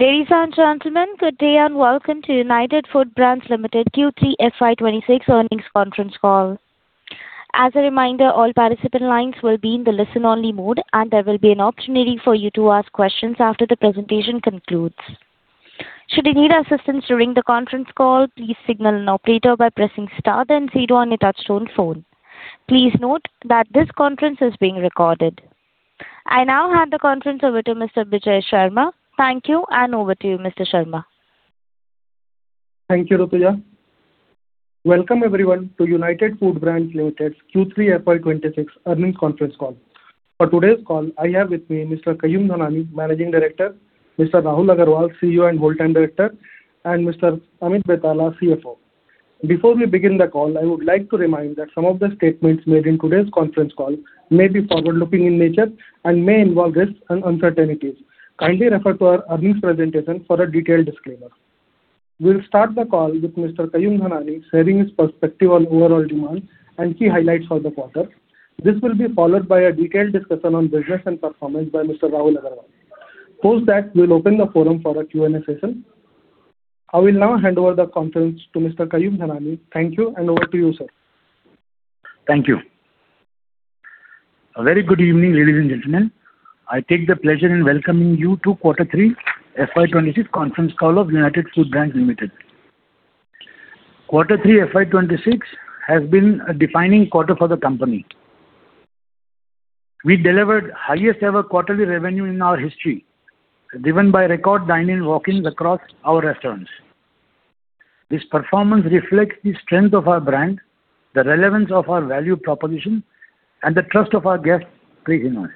Ladies and gentlemen, good day, and welcome to United Foodbrands Limited Q3 FY 2026 Earnings Conference Call. As a reminder, all participant lines will be in the listen-only mode, and there will be an opportunity for you to ask questions after the presentation concludes. Should you need assistance during the conference call, please signal an operator by pressing star then zero on your touchtone phone. Please note that this conference is being recorded. I now hand the conference over to Mr. Bijay Sharma. Thank you, and over to you, Mr. Sharma. Thank you, Rupa. Welcome everyone to United Foodbrands Limited Q3 FY 2026 earnings conference call. For today's call, I have with me Mr. Kayum Dhanani, Managing Director, Mr. Rahul Agrawal, CEO and Whole Time Director, and Mr. Amit Betala, CFO. Before we begin the call, I would like to remind that some of the statements made in today's conference call may be forward-looking in nature and may involve risks and uncertainties. Kindly refer to our earnings presentation for a detailed disclaimer. We'll start the call with Mr. Kayum Dhanani sharing his perspective on overall demand and key highlights for the quarter. This will be followed by a detailed discussion on business and performance by Mr. Rahul Agrawal. Post that, we'll open the forum for a Q&A session. I will now hand over the conference to Mr. Kayum Dhanani. Thank you, and over to you, sir. Thank you. A very good evening, ladies and gentlemen. I take the pleasure in welcoming you to Quarter three FY 2026 conference call of United Foodbrands Limited. Quarter three FY 2026 has been a defining quarter for the company. We delivered highest ever quarterly revenue in our history, driven by record dine-in walk-ins across our restaurants. This performance reflects the strength of our brand, the relevance of our value proposition, and the trust of our guests increasing us.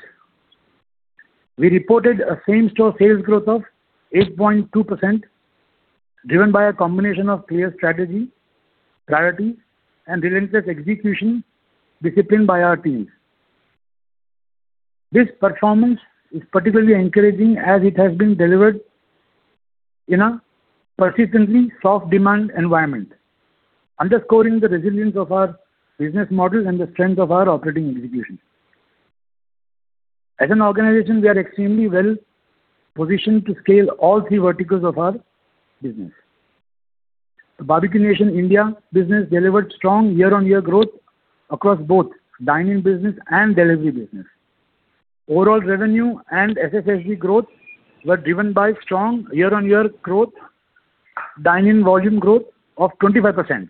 We reported a same-store sales growth of 8.2%, driven by a combination of clear strategy, priority, and relentless execution discipline by our teams. This performance is particularly encouraging as it has been delivered in a persistently soft demand environment, underscoring the resilience of our business model and the strength of our operating execution. As an organization, we are extremely well-positioned to scale all three verticals of our business. The Barbeque Nation India business delivered strong year-on-year growth across both dine-in business and delivery business. Overall revenue and SSSG growth were driven by strong year-on-year growth, dine-in volume growth of 25%.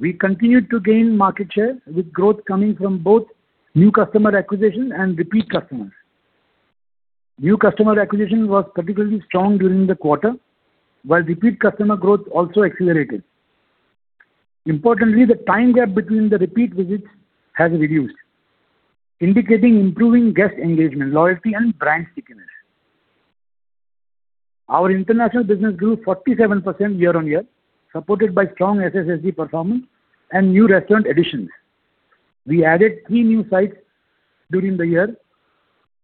We continued to gain market share, with growth coming from both new customer acquisition and repeat customers. New customer acquisition was particularly strong during the quarter, while repeat customer growth also accelerated. Importantly, the time gap between the repeat visits has reduced, indicating improving guest engagement, loyalty, and brand stickiness. Our international business grew 47% year-on-year, supported by strong SSSG performance and new restaurant additions. We added 3 new sites during the year,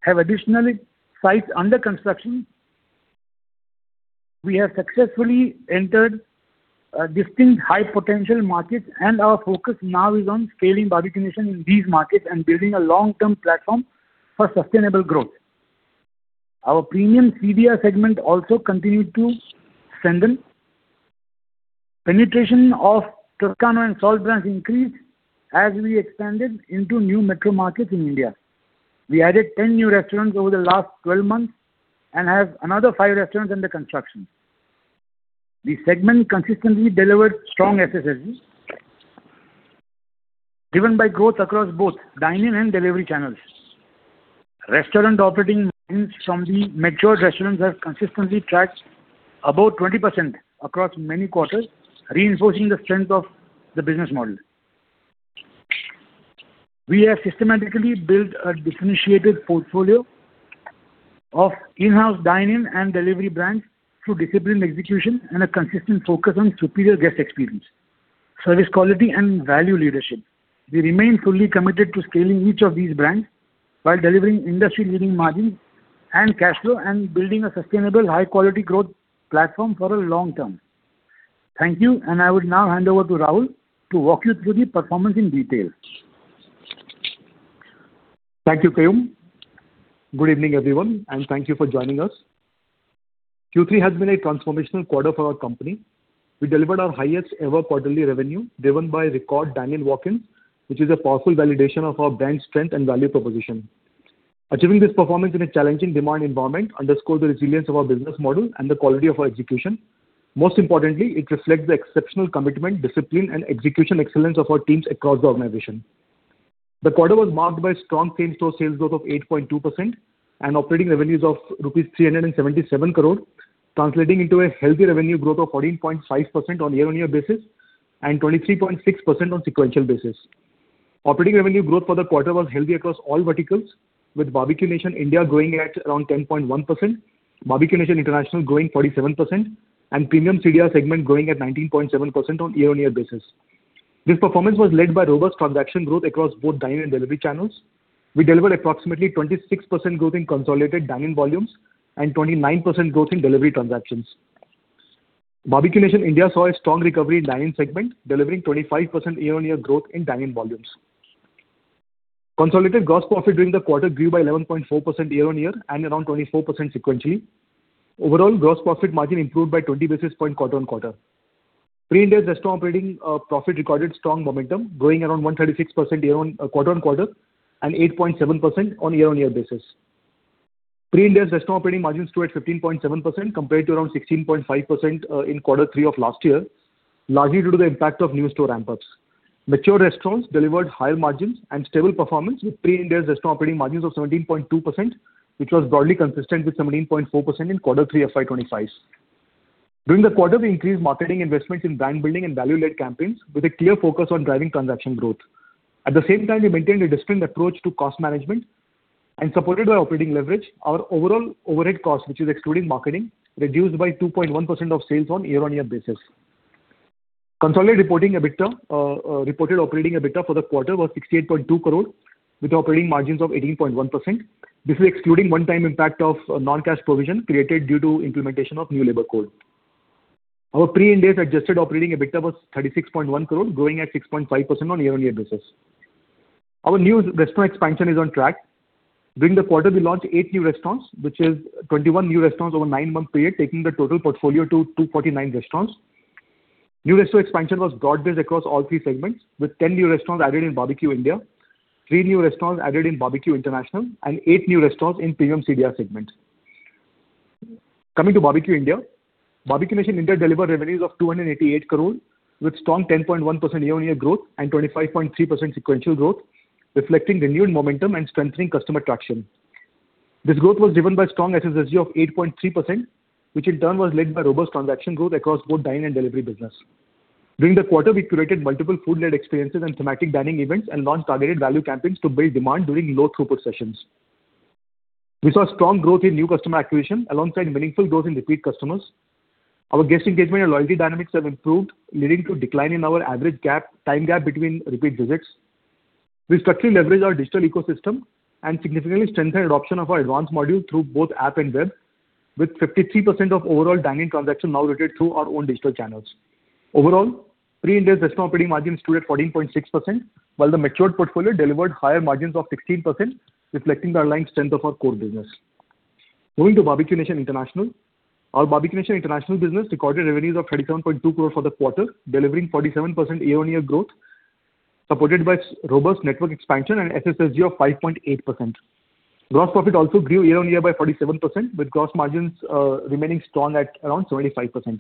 have additionally sites under construction. We have successfully entered distinct high potential markets, and our focus now is on scaling Barbeque Nation in these markets and building a long-term platform for sustainable growth. Our Premium CDR segment also continued to strengthen. Penetration of Toscano and Salt brands increased as we expanded into new metro markets in India. We added 10 new restaurants over the last 12 months and have another 5 restaurants under construction. The segment consistently delivered strong SSSG, driven by growth across both dine-in and delivery channels. Restaurant operating margins from the matured restaurants have consistently tracked above 20% across many quarters, reinforcing the strength of the business model. We have systematically built a differentiated portfolio of in-house dine-in and delivery brands through disciplined execution and a consistent focus on superior guest experience, service quality, and value leadership. We remain fully committed to scaling each of these brands while delivering industry-leading margins and cash flow and building a sustainable, high-quality growth platform for the long term. Thank you, and I would now hand over to Rahul to walk you through the performance in detail. Thank you, Kayum. Good evening, everyone, and thank you for joining us. Q3 has been a transformational quarter for our company. We delivered our highest ever quarterly revenue, driven by record dine-in walk-ins, which is a powerful validation of our brand strength and value proposition. Achieving this performance in a challenging demand environment underscores the resilience of our business model and the quality of our execution. Most importantly, it reflects the exceptional commitment, discipline, and execution excellence of our teams across the organization. The quarter was marked by strong same-store sales growth of 8.2% and operating revenues of rupees 377 crore, translating into a healthy revenue growth of 14.5% on year-on-year basis and 23.6% on sequential basis. Operating revenue growth for the quarter was healthy across all verticals, with Barbeque Nation India growing at around 10.1%, Barbeque Nation International growing 47%, and Premium CDR segment growing at 19.7% on year-on-year basis. This performance was led by robust transaction growth across both dine-in and delivery channels. We delivered approximately 26% growth in consolidated dine-in volumes and 29% growth in delivery transactions. Barbeque Nation India saw a strong recovery in dine-in segment, delivering 25% year-on-year growth in dine-in volumes. Consolidated gross profit during the quarter grew by 11.4% year-on-year and around 24% sequentially. Overall, gross profit margin improved by 20 basis points quarter-on-quarter. Adjusted restaurant operating profit recorded strong momentum, growing around 136% quarter-on-quarter, and 8.7% on a year-on-year basis. AS restaurant operating margins stood at 15.7%, compared to around 16.5%, in quarter three of last year, largely due to the impact of new store ramp-ups. Mature restaurants delivered higher margins and stable performance, with Pre-Ind AS restaurant operating margins of 17.2%, which was broadly consistent with 17.4% in quarter three FY 2025. During the quarter, we increased marketing investments in brand building and value-led campaigns, with a clear focus on driving transaction growth. At the same time, we maintained a distinct approach to cost management and supported by operating leverage, our overall overhead cost, which is excluding marketing, reduced by 2.1% of sales on a year-on-year basis. Consolidated reporting EBITDA, reported operating EBITDA for the quarter was 68.2 crore, with operating margins of 18.1%. This is excluding one-time impact of, non-cash provision created due to implementation of new labor code. Our Pre-Ind AS adjusted operating EBITDA was 36.1 crore, growing at 6.5% on a year-on-year basis. Our new restaurant expansion is on track. During the quarter, we launched eight new restaurants, which is 21 new restaurants over a nine-month period, taking the total portfolio to 249 restaurants. New restaurant expansion was broad-based across all three segments, with 10 new restaurants added in Barbeque India, three new restaurants added in Barbeque International, and eight new restaurants in Premium CDR segment. Coming to Barbeque India, Barbeque Nation India delivered revenues of 288 crore, with strong 10.1% year-on-year growth and 25.3% sequential growth, reflecting renewed momentum and strengthening customer traction. This growth was driven by strong SSSG of 8.3%, which in turn was led by robust transaction growth across both dine and delivery business. During the quarter, we curated multiple food-led experiences and thematic dining events and launched targeted value campaigns to build demand during low-throughput sessions. We saw strong growth in new customer acquisition alongside meaningful growth in repeat customers. Our guest engagement and loyalty dynamics have improved, leading to decline in our average time gap between repeat visits. We strictly leverage our digital ecosystem and significantly strengthen adoption of our Advanced Module through both app and web, with 53% of overall dine-in transactions now routed through our own digital channels. Overall, Pre-Ind AS restaurant operating margins stood at 14.6%, while the matured portfolio delivered higher margins of 16%, reflecting the aligned strength of our core business. Moving to Barbeque Nation International. Our Barbeque Nation International business recorded revenues of 37.2 crore for the quarter, delivering 47% year-on-year growth, supported by robust network expansion and SSSG of 5.8%. Gross profit also grew year-on-year by 47%, with gross margins remaining strong at around 75%.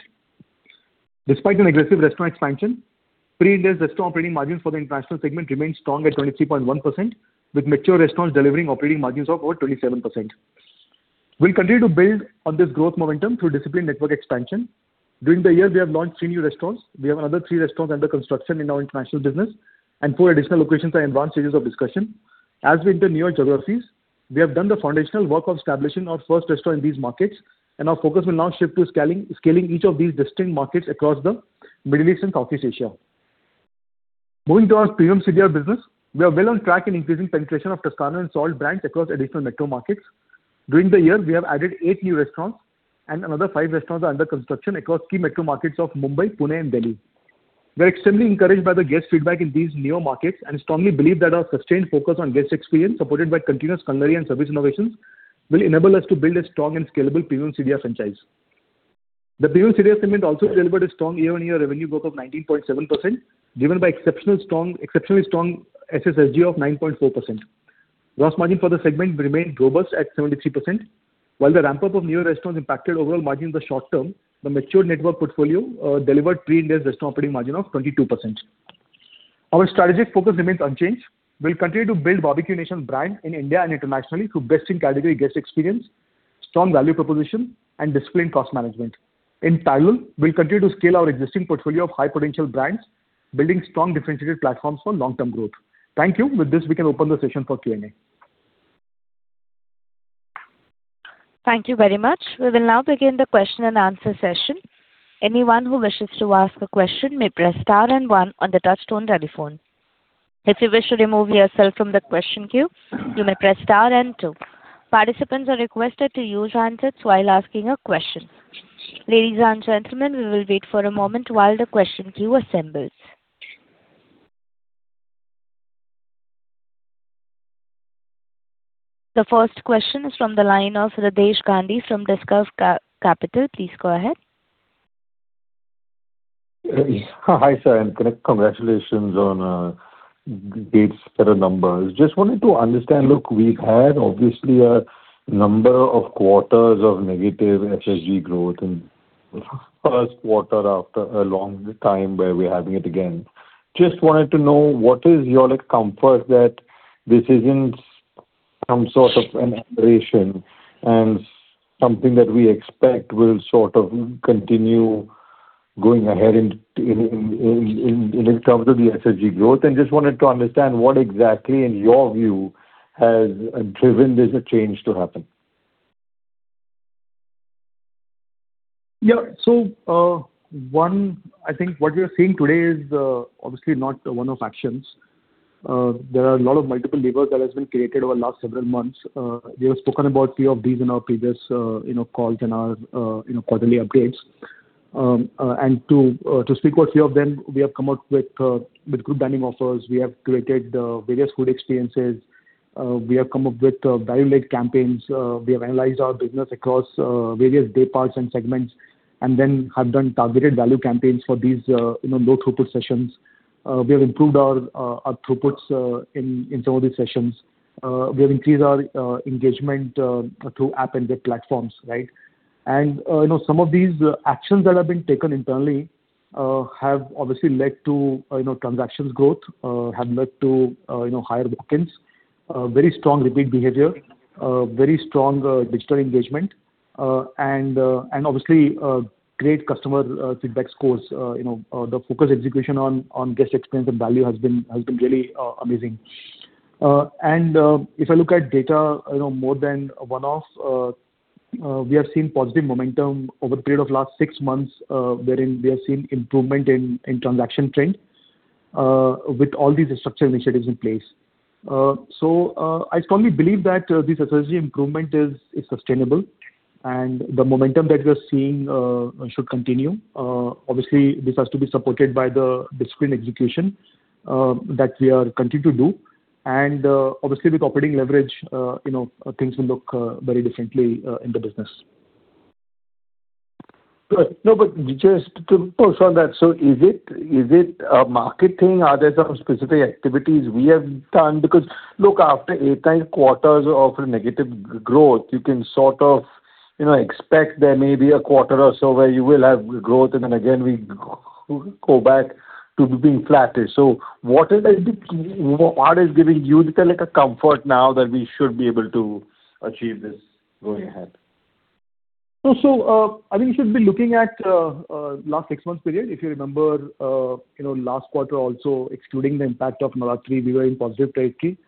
Despite an aggressive restaurant expansion, Pre-Ind AS restaurant operating margins for the international segment remained strong at 23.1%, with mature restaurants delivering operating margins of over 27%. We'll continue to build on this growth momentum through disciplined network expansion. During the year, we have launched three new restaurants. We have another three restaurants under construction in our international business, and four additional locations are in advanced stages of discussion. As we enter new geographies, we have done the foundational work of establishing our first restaurant in these markets, and our focus will now shift to scaling, scaling each of these distinct markets across the Middle East and Southeast Asia. Moving to our Premium CDR business. We are well on track in increasing penetration of Toscano and Salt brands across additional metro markets. During the year, we have added eight new restaurants, and another five restaurants are under construction across key metro markets of Mumbai, Pune, and Delhi. We're extremely encouraged by the guest feedback in these new markets and strongly believe that our sustained focus on guest experience, supported by continuous culinary and service innovations, will enable us to build a strong and scalable Premium CDR franchise. The Premium CDR segment also delivered a strong year-on-year revenue growth of 19.7%, driven by exceptionally strong SSSG of 9.4%. Gross margin for the segment remained robust at 73%. While the ramp-up of new restaurants impacted overall margin in the short term, the matured network portfolio delivered Pre-Ind AS restaurant operating margin of 22%. Our strategic focus remains unchanged. We'll continue to build Barbeque Nation brand in India and internationally through best-in-category guest experience, strong value proposition, and disciplined cost management. In Thailand, we'll continue to scale our existing portfolio of high-potential brands, building strong, differentiated platforms for long-term growth. Thank you. With this, we can open the session for Q&A. Thank you very much. We will now begin the question-and-answer session. Anyone who wishes to ask a question may press star and one on the touchtone telephone. If you wish to remove yourself from the question queue, you may press star and two. Participants are requested to use handsets while asking a question. Ladies and gentlemen, we will wait for a moment while the question queue assembles. The first question is from the line of Riddhesh Gandhi from Discovery Capital. Please go ahead. Hi, sir, and congratulations on great set of numbers. Just wanted to understand, look, we've had obviously a number of quarters of negative SSG growth, and first quarter after a long time where we're having it again. Just wanted to know, what is your, like, comfort that this isn't some sort of an aberration and something that we expect will sort of continue going ahead in terms of the SSG growth? And just wanted to understand what exactly, in your view, has driven this change to happen? Yeah. So, one, I think what we are seeing today is obviously not one-off actions. There are a lot of multiple levers that has been created over the last several months. We have spoken about few of these in our previous, you know, calls and our, you know, quarterly updates, and to speak about few of them, we have come up with group dining offers. We have created various food experiences. We have come up with value-led campaigns. We have analyzed our business across various day parts and segments, and then have done targeted value campaigns for these, you know, low-throughput sessions. We have improved our throughputs in some of these sessions. We have increased our engagement through app and web platforms, right? You know, some of these actions that have been taken internally have obviously led to, you know, transactions growth, have led to, you know, higher bookings, very strong repeat behavior, very strong, digital engagement, and, and obviously, great customer, feedback scores. You know, the focused execution on, on guest experience and value has been, has been really, amazing. If I look at data, you know, more than one-off, we have seen positive momentum over the period of last six months, wherein we have seen improvement in, in transaction trend, with all these structural initiatives in place. So, I strongly believe that, this SSG improvement is, is sustainable, and the momentum that we are seeing, should continue. Obviously, this has to be supported by the discreet execution that we are continue to do. Obviously, with operating leverage, you know, things will look very differently in the business. Good. No, but just to push on that, so is it, is it a market thing? Are there some specific activities we have done? Because, look, after eight, nine quarters of negative growth, you can sort of, you know, expect there may be a quarter or so where you will have growth, and then again, we go back to being flat. So what is the key—what is giving you the, like, a comfort now that we should be able to achieve this going ahead? I think you should be looking at last six-month period. If you remember, you know, last quarter also, excluding the impact of Diwali, we were in positive territory.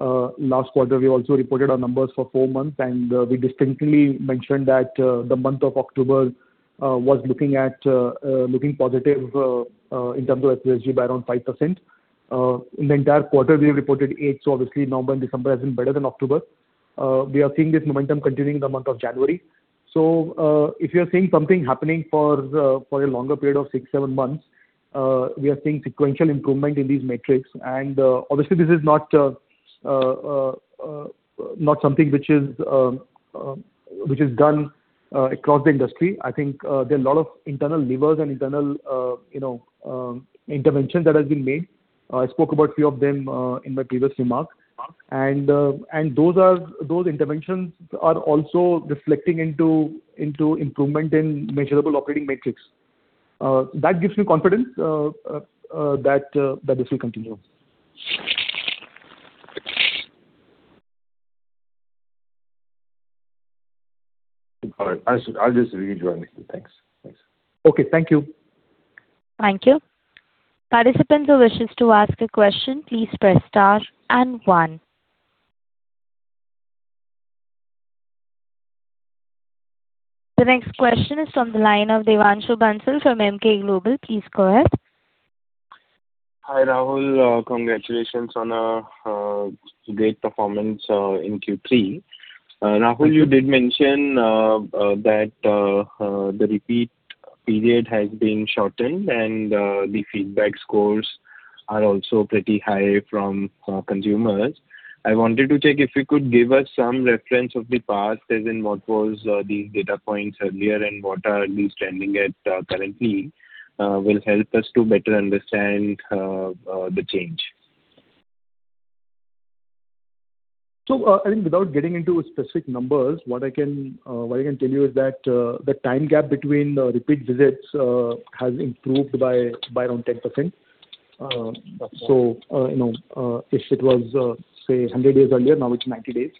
Last quarter, we also reported our numbers for four months, and we distinctly mentioned that the month of October was looking positive in terms of SSG by around 5%. In the entire quarter, we reported eight, so obviously November and December has been better than October. We are seeing this momentum continuing in the month of January. So, if you are seeing something happening for a longer period of six, seven months, we are seeing sequential improvement in these metrics. Obviously, this is not something which is done across the industry. I think there are a lot of internal levers and internal you know intervention that has been made. I spoke about few of them in my previous remark. And those interventions are also reflecting into improvement in measurable operating metrics. That gives me confidence that this will continue. All right. I see. I'll just leave it here. Thanks. Thanks. Okay. Thank you. Thank you. Participants who wish to ask a question, please press star and one. The next question is from the line of Devanshu Bansal from Emkay Global. Please go ahead. Hi, Rahul. Congratulations on a great performance in Q3. Rahul, you did mention that the repeat period has been shortened and the feedback scores are also pretty high from consumers. I wanted to check if you could give us some reference of the past, as in what was the data points earlier and what are we standing at currently, will help us to better understand the change. So, I think without getting into specific numbers, what I can tell you is that the time gap between repeat visits has improved by around 10%. So, you know, if it was, say, 100 days earlier, now it's 90 days.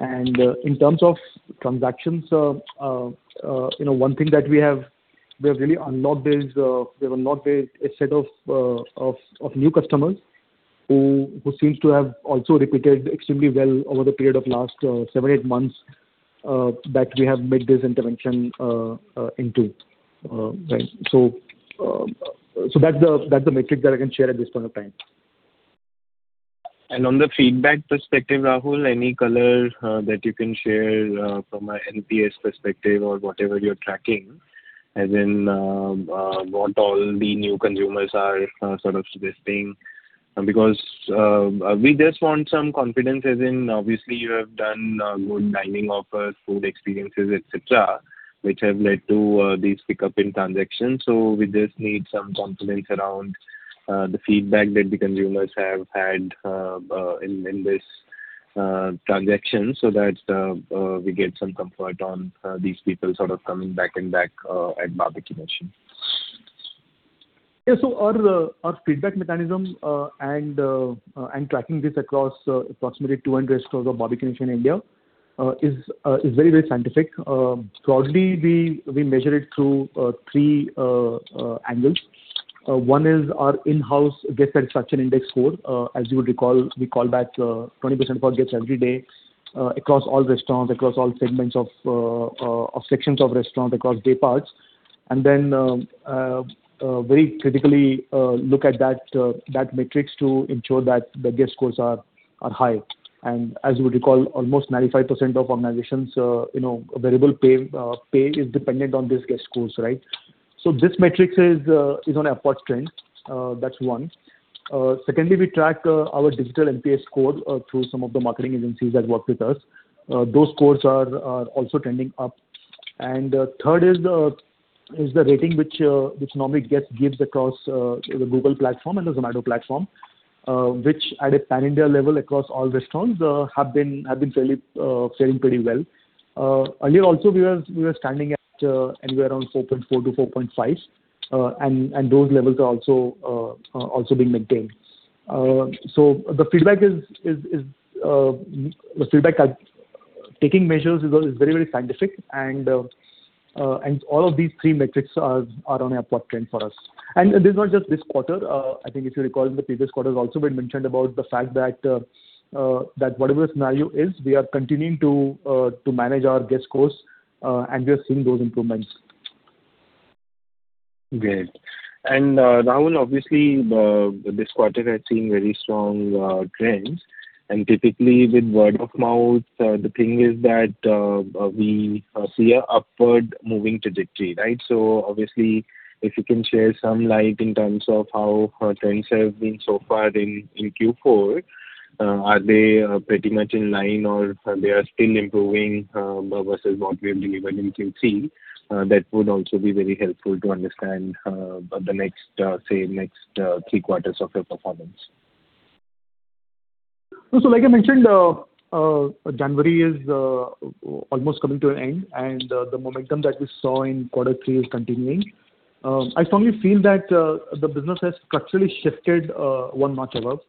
And in terms of transactions, you know, one thing that we have really unlocked is we have unlocked a set of new customers who seems to have also repeated extremely well over the period of last 7-8 months that we have made this intervention into, right? So, that's the metric that I can share at this point of time. On the feedback perspective, Rahul, any color that you can share from a NPS perspective or whatever you're tracking, as in what all the new consumers are sort of suggesting? Because we just want some confidence, as in obviously, you have done good dining offers, food experiences, et cetera, which have led to this pickup in transactions. So we just need some confidence around the feedback that the consumers have had in this transaction, so that we get some comfort on these people sort of coming back and back at Barbeque Nation. Yeah. So our feedback mechanism and tracking this across approximately 200 stores of Barbeque Nation in India is very, very scientific. Broadly, we measure it through three angles. One is our in-house guest satisfaction index score. As you would recall, we call back 20% of our guests every day across all restaurants, across all segments of sections of restaurant, across day parts. And then very critically look at that metric to ensure that the guest scores are high. And as you would recall, almost 95% of organizations, you know, variable pay is dependent on these guest scores, right? So this metric is on an upward trend, that's one. Secondly, we track our digital NPS score through some of the marketing agencies that work with us. Those scores are also trending up. And third is the rating which normally gets given across the Google platform and the Zomato platform, which at a pan-India level across all restaurants have been fairly pretty well. Earlier also, we were standing at anywhere around 4.4-4.5, and those levels are also being maintained. So the feedback is that taking measures is very scientific, and all of these three metrics are on upward trend for us. And this is not just this quarter. I think if you recall, in the previous quarters also we've mentioned about the fact that whatever the scenario is, we are continuing to manage our guest scores, and we are seeing those improvements. Great. And, Rahul, obviously, this quarter has seen very strong trends. And typically with word of mouth, the thing is that, we see a upward moving trajectory, right? So obviously, if you can share some light in terms of how, trends have been so far in Q4, are they, pretty much in line or they are still improving, versus what we have delivered in Q3? That would also be very helpful to understand, the next, say, next, three quarters of your performance. So, like I mentioned, January is almost coming to an end, and the momentum that we saw in quarter three is continuing. I firmly feel that the business has structurally shifted one notch above,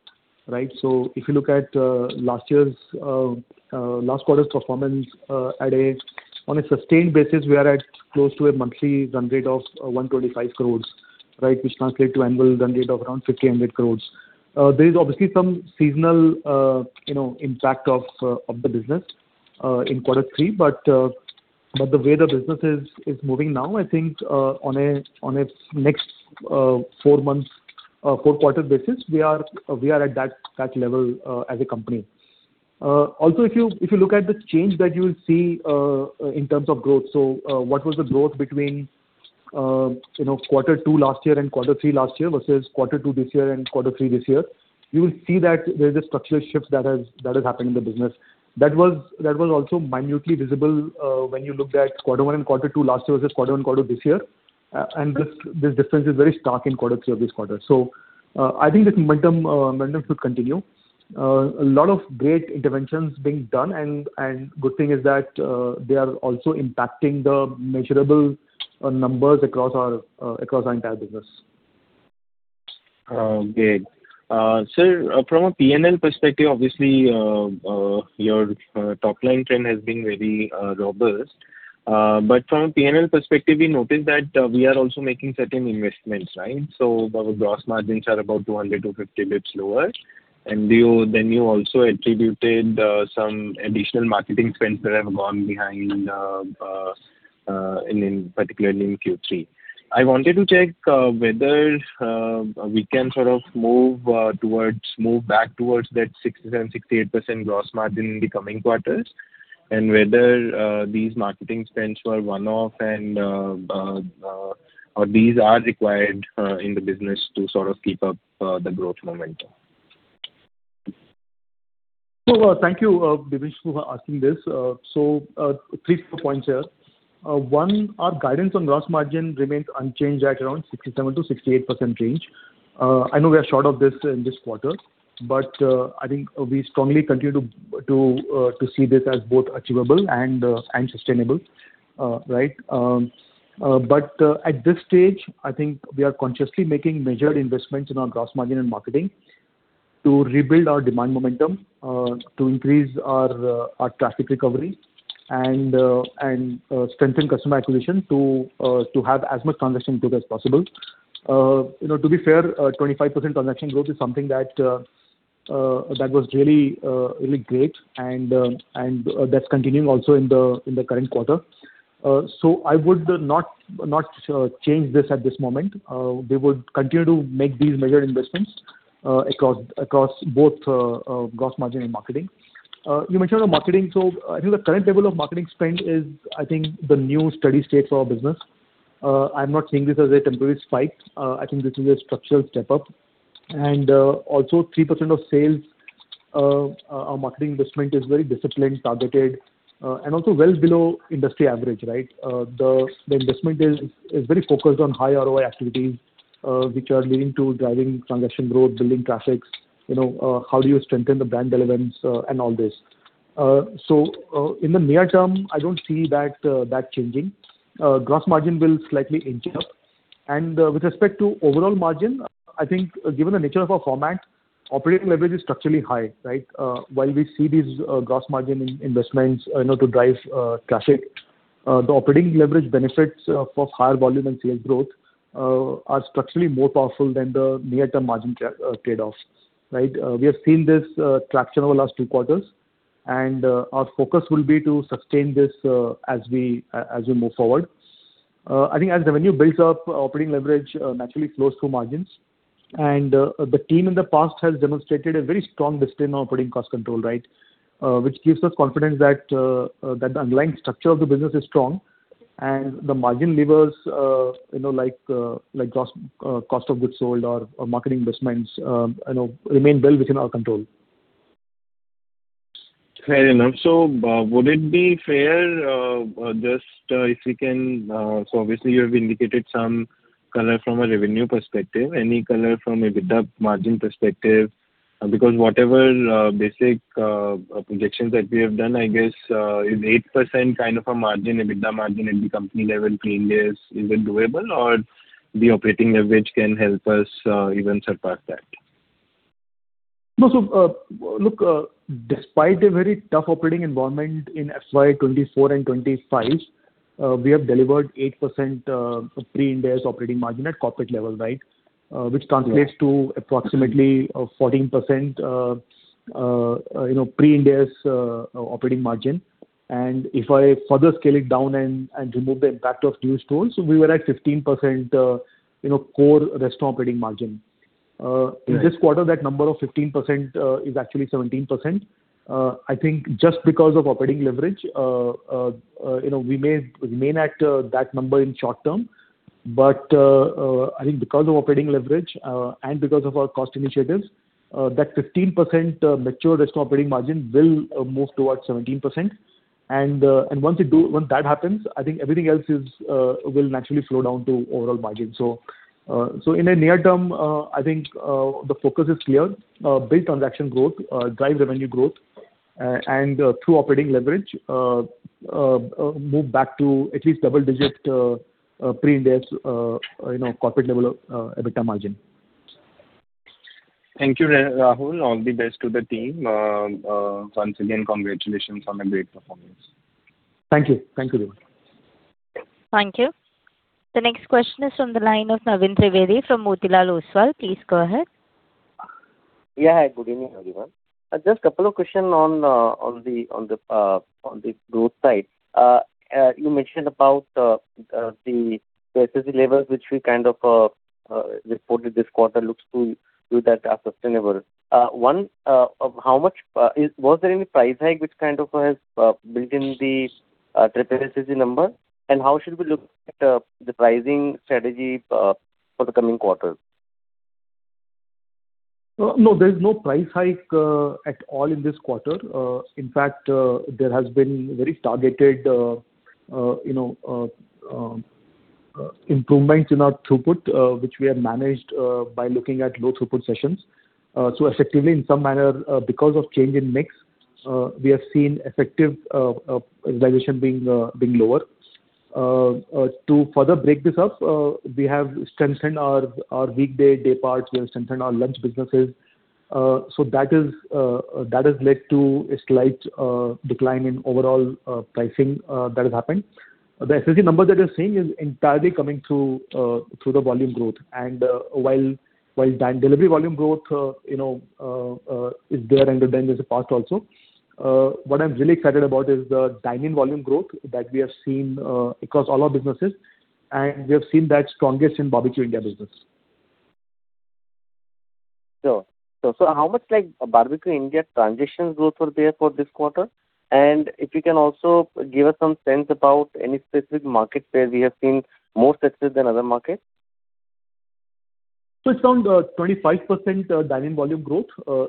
right? So if you look at last year's last quarter's performance, on a sustained basis, we are at close to a monthly run rate of 125 crores, right? Which translate to annual run rate of around 1,500 crores. There is obviously some seasonal, you know, impact of of the business in quarter three. But the way the business is moving now, I think, on a, on a next four months four quarter basis, we are at that level as a company. Also, if you look at the change that you will see in terms of growth, so what was the growth between, you know, quarter two last year and quarter three last year versus quarter two this year and quarter three this year, you will see that there is a structural shift that has happened in the business. That was also minutely visible when you looked at quarter one and quarter two last year versus quarter one and quarter two this year. And this difference is very stark in quarter three of this quarter. So I think this momentum should continue. A lot of great interventions being done, and good thing is that they are also impacting the measurable numbers across our entire business. Great. Sir, from a P&L perspective, obviously, your top-line trend has been very robust. But from a P&L perspective, we noticed that we are also making certain investments, right? So our gross margins are about 200, 250 basis points lower. And then you also attributed some additional marketing spends that have gone behind, particularly in Q3. I wanted to check whether we can sort of move back towards that 67%-68% gross margin in the coming quarters, and whether these marketing spends were one-off and, or these are required in the business to sort of keep up the growth momentum. So thank you, Devanshu, for asking this. So, three, four points here. One, our guidance on gross margin remains unchanged at around 67%-68% range. I know we are short of this in this quarter, but I think we strongly continue to see this as both achievable and sustainable, right? But at this stage, I think we are consciously making major investments in our gross margin and marketing to rebuild our demand momentum, to increase our traffic recovery and strengthen customer acquisition to have as much transaction growth as possible. You know, to be fair, 25% transaction growth is something that was really great, and that's continuing also in the current quarter. So I would not change this at this moment. We would continue to make these major investments across both gross margin and marketing. You mentioned the marketing, so I think the current level of marketing spend is, I think, the new steady state for our business. I'm not seeing this as a temporary spike. I think this is a structural step up. And also 3% of sales, our marketing investment is very disciplined, targeted, and also well below industry average, right? The investment is very focused on high ROI activities, which are leading to driving transaction growth, building traffic. You know, how do you strengthen the brand relevance, and all this. So in the near term, I don't see that changing. Gross margin will slightly inch up. With respect to overall margin, I think given the nature of our format, operating leverage is structurally high, right? While we see these gross margin investments, you know, to drive traffic, the operating leverage benefits for higher volume and sales growth are structurally more powerful than the near-term margin trade-offs, right? We have seen this traction over last two quarters, and our focus will be to sustain this as we move forward. I think as the revenue builds up, operating leverage naturally flows through margins... And the team in the past has demonstrated a very strong discipline on operating cost control, right? Which gives us confidence that the underlying structure of the business is strong, and the margin levers, you know, like gross cost of goods sold or marketing investments, you know, remain well within our control. Fair enough. So, would it be fair, just, if you can, so obviously you have indicated some color from a revenue perspective, any color from EBITDA margin perspective? Because whatever, basic, projections that we have done, I guess, is 8% kind of a margin, EBITDA margin at the company level Pre-Ind AS is even doable, or the operating leverage can help us, even surpass that. No, so, look, despite a very tough operating environment in FY 2024 and 2025, we have delivered 8% Pre-Ind AS operating margin at corporate level, right? Which translates- Yeah. to approximately 14%, you know, Pre-Ind AS operating margin. And if I further scale it down and remove the impact of new stores, we were at 15%, you know, core restaurant operating margin. Right. In this quarter, that number of 15% is actually 17%. I think just because of operating leverage, you know, we may, we may not that number in short term, but I think because of operating leverage and because of our cost initiatives, that 15% mature restaurant operating margin will move towards 17%. And once that happens, I think everything else is will naturally flow down to overall margin. So in the near term, I think the focus is clear. Build transaction growth, drive revenue growth, and through operating leverage, move back to at least double digit Pre-Ind AS, you know, corporate level of EBITDA margin. Thank you, Rahul. All the best to the team. Once again, congratulations on the great performance. Thank you. Thank you, Devanshu. Thank you. The next question is from the line of Naveen Trivedi, from Motilal Oswal. Please go ahead. Yeah, good evening, everyone. Just couple of questions on the growth side. You mentioned about the SSG levels, which we kind of reported this quarter, looks to you that are sustainable. One, how much was there any price hike which kind of built in the SSG number? And how should we look at the pricing strategy for the coming quarters? No, there is no price hike at all in this quarter. In fact, there has been very targeted, you know, improvements in our throughput, which we have managed by looking at low throughput sessions. So effectively, in some manner, because of change in mix, we have seen effective realization being lower. To further break this up, we have strengthened our weekday day parts, we have strengthened our lunch businesses. So that has led to a slight decline in overall pricing that has happened. The SSG number that you're seeing is entirely coming through the volume growth. And while dine-in delivery volume growth, you know, is there and the dine-in is a part also. What I'm really excited about is the dine-in volume growth that we have seen across all our businesses, and we have seen that strongest in Barbeque Nation business. Sure. So, how much, like, Barbeque Nation transactions growth were there for this quarter? And if you can also give us some sense about any specific markets where we have seen more success than other markets. So it's around 25% dine-in volume growth,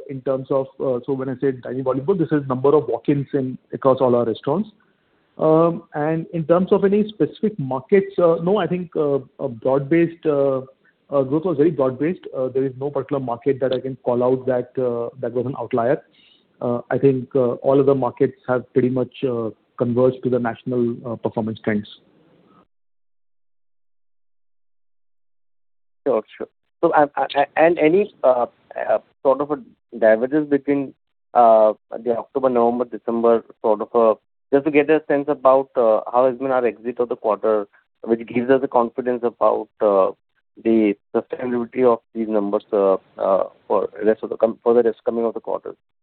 in terms of, so when I say dine-in volume growth, this is number of walk-ins in across all our restaurants. And in terms of any specific markets, no, I think a broad-based growth was very broad-based. There is no particular market that I can call out that that was an outlier. I think all of the markets have pretty much converged to the national performance trends. Sure, sure. So, any sort of a divergence between the October, November, December, sort of, just to get a sense about how has been our exit of the quarter, which gives us the confidence about the sustainability of these numbers for the rest of the coming quarters.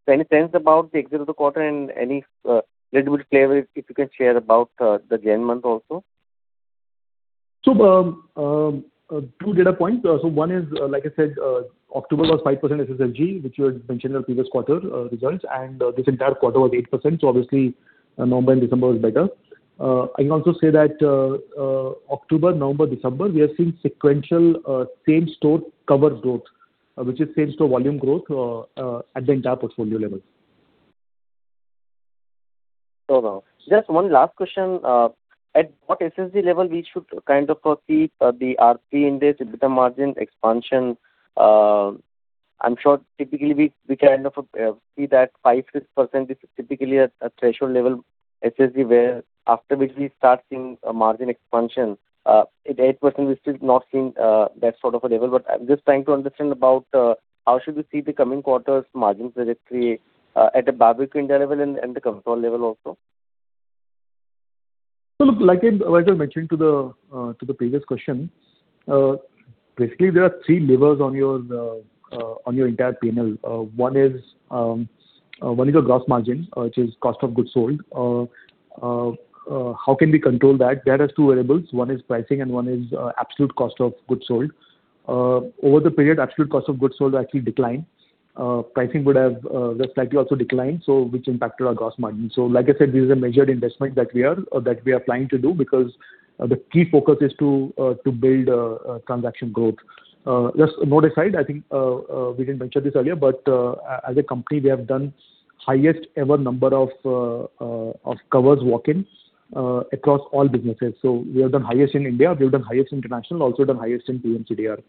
So any sense about the exit of the quarter and any little bit flavor, if you can share about the Jan month also? So, two data points. So one is, like I said, October was 5% SSSG, which you had mentioned in the previous quarter results, and this entire quarter was 8%. So obviously, November and December was better. I can also say that, October, November, December, we have seen sequential same-store cover growth, which is same-store volume growth, at the entire portfolio level. Sure, Rahul. Just one last question, at what SSG level we should kind of proceed the RP index, EBITDA margin expansion? I'm sure typically we, we kind of, see that 5%-6% is typically a threshold level SSG, where after which we start seeing a margin expansion. At 8%, we're still not seeing that sort of a level. But I'm just trying to understand about how should we see the coming quarters' margin trajectory, at a Barbeque Nation level and the consolidated level also? So look, like I, as I mentioned to the, to the previous question, basically, there are three levers on your, on your entire P&L. One is, one is your gross margin, which is cost of goods sold, how can we control that? There are two variables: one is pricing, and one is, absolute cost of goods sold. Over the period, absolute cost of goods sold actually declined. Pricing would have, most likely also declined, so which impacted our gross margin. So like I said, this is a major investment that we are, or that we are planning to do, because, the key focus is to, to build, transaction growth. Just a note aside, I think, we didn't mention this earlier, but, as a company, we have done highest ever number of, of covers walk-ins, across all businesses. So we have done highest in India, we've done highest international, also done highest in PMCDR,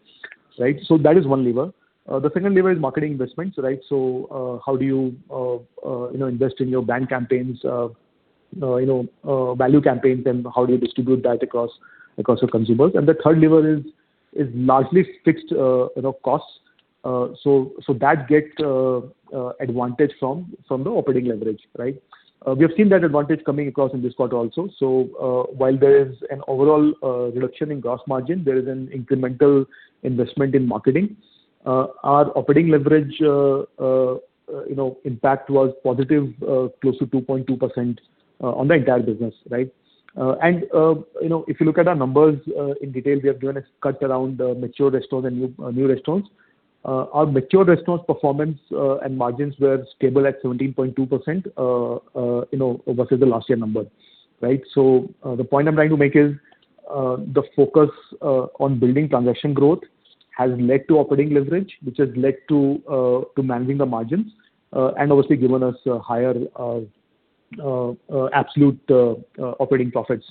right? So that is one lever. The second lever is marketing investments, right? So, how do you, you know, invest in your brand campaigns, you know, value campaigns, and how do you distribute that across, across your consumers? And the third lever is, is largely fixed, you know, costs. So, so that get, advantage from, from the operating leverage, right? We have seen that advantage coming across in this quarter also. So, while there is an overall reduction in gross margin, there is an incremental investment in marketing. Our operating leverage, you know, impact was positive, close to 2.2%, on the entire business, right? And, you know, if you look at our numbers, in detail, we have done a cut around the mature restaurants and new restaurants. Our mature restaurants' performance and margins were stable at 17.2%, you know, versus the last year number, right? So, the point I'm trying to make is, the focus on building transaction growth has led to operating leverage, which has led to managing the margins, and obviously given us a higher absolute operating profits.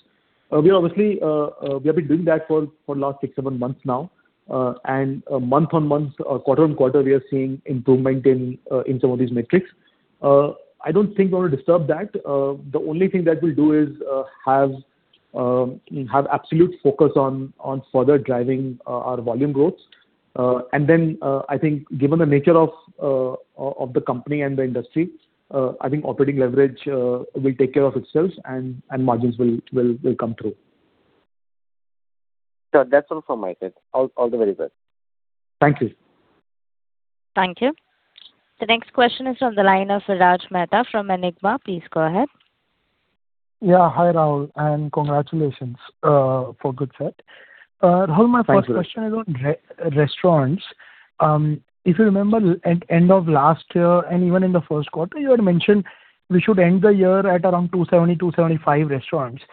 We are obviously, we have been doing that for last six to seven months now. Month-on-month, quarter-on-quarter, we are seeing improvement in some of these metrics. I don't think we're gonna disturb that. The only thing that we'll do is have absolute focus on further driving our volume growth. And then, I think given the nature of the company and the industry, I think operating leverage will take care of itself and margins will come through. Sure. That's all from my side. All, all the very best. Thank you. Thank you. The next question is on the line of Viraj Mehta from Enigma. Please go ahead. Yeah, hi, Rahul, and congratulations for good set. Thank you. Rahul, my first question is on restaurants. If you remember at end of last year and even in the first quarter, you had mentioned we should end the year at around 270-275 restaurants.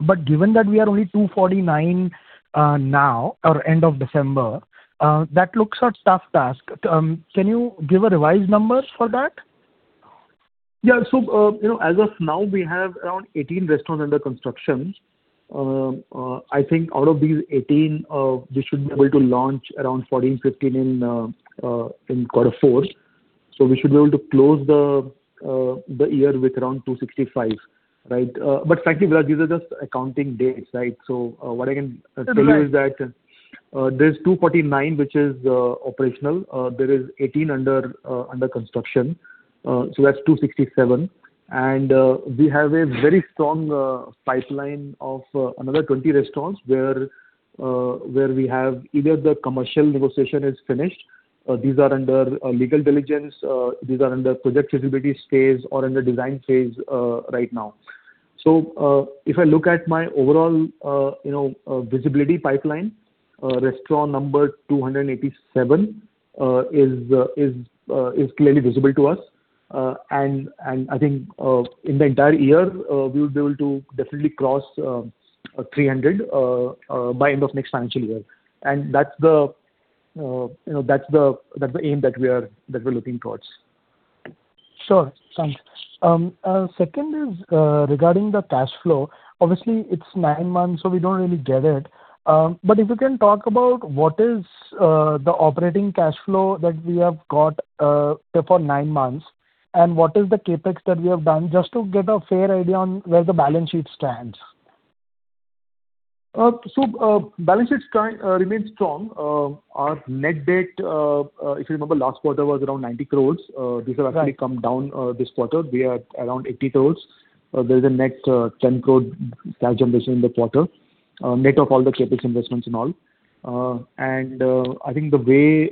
But given that we are only 249, now, or end of December, that looks a tough task. Can you give a revised number for that? Yeah. So, you know, as of now, we have around 18 restaurants under construction. I think out of these 18, we should be able to launch around 14, 15 in quarter four. So we should be able to close the year with around 265, right? But frankly, these are just accounting dates, right? So, what I can tell you- Right... is that, there's 249, which is operational. There is 18 under construction, so that's 267. And we have a very strong pipeline of another 20 restaurants, where we have either the commercial negotiation is finished, these are under legal diligence, these are under project visibility phase or in the design phase, right now. So if I look at my overall, you know, visibility pipeline, restaurant number 287 is clearly visible to us. And I think in the entire year we will be able to definitely cross 300 by end of next financial year. And that's the, you know, that's the aim that we are, that we're looking towards. Sure. Second is, regarding the cash flow. Obviously, it's nine months, so we don't really get it. But if you can talk about what is, the operating cash flow that we have got, say, for nine months, and what is the CapEx that we have done, just to get a fair idea on where the balance sheet stands. So, balance sheet current remains strong. Our net debt, if you remember, last quarter was around 90 crore. Right. These have actually come down this quarter. We are around 80 crore. There's a net 10 crore cash generation in the quarter, net of all the CapEx investments and all. I think the way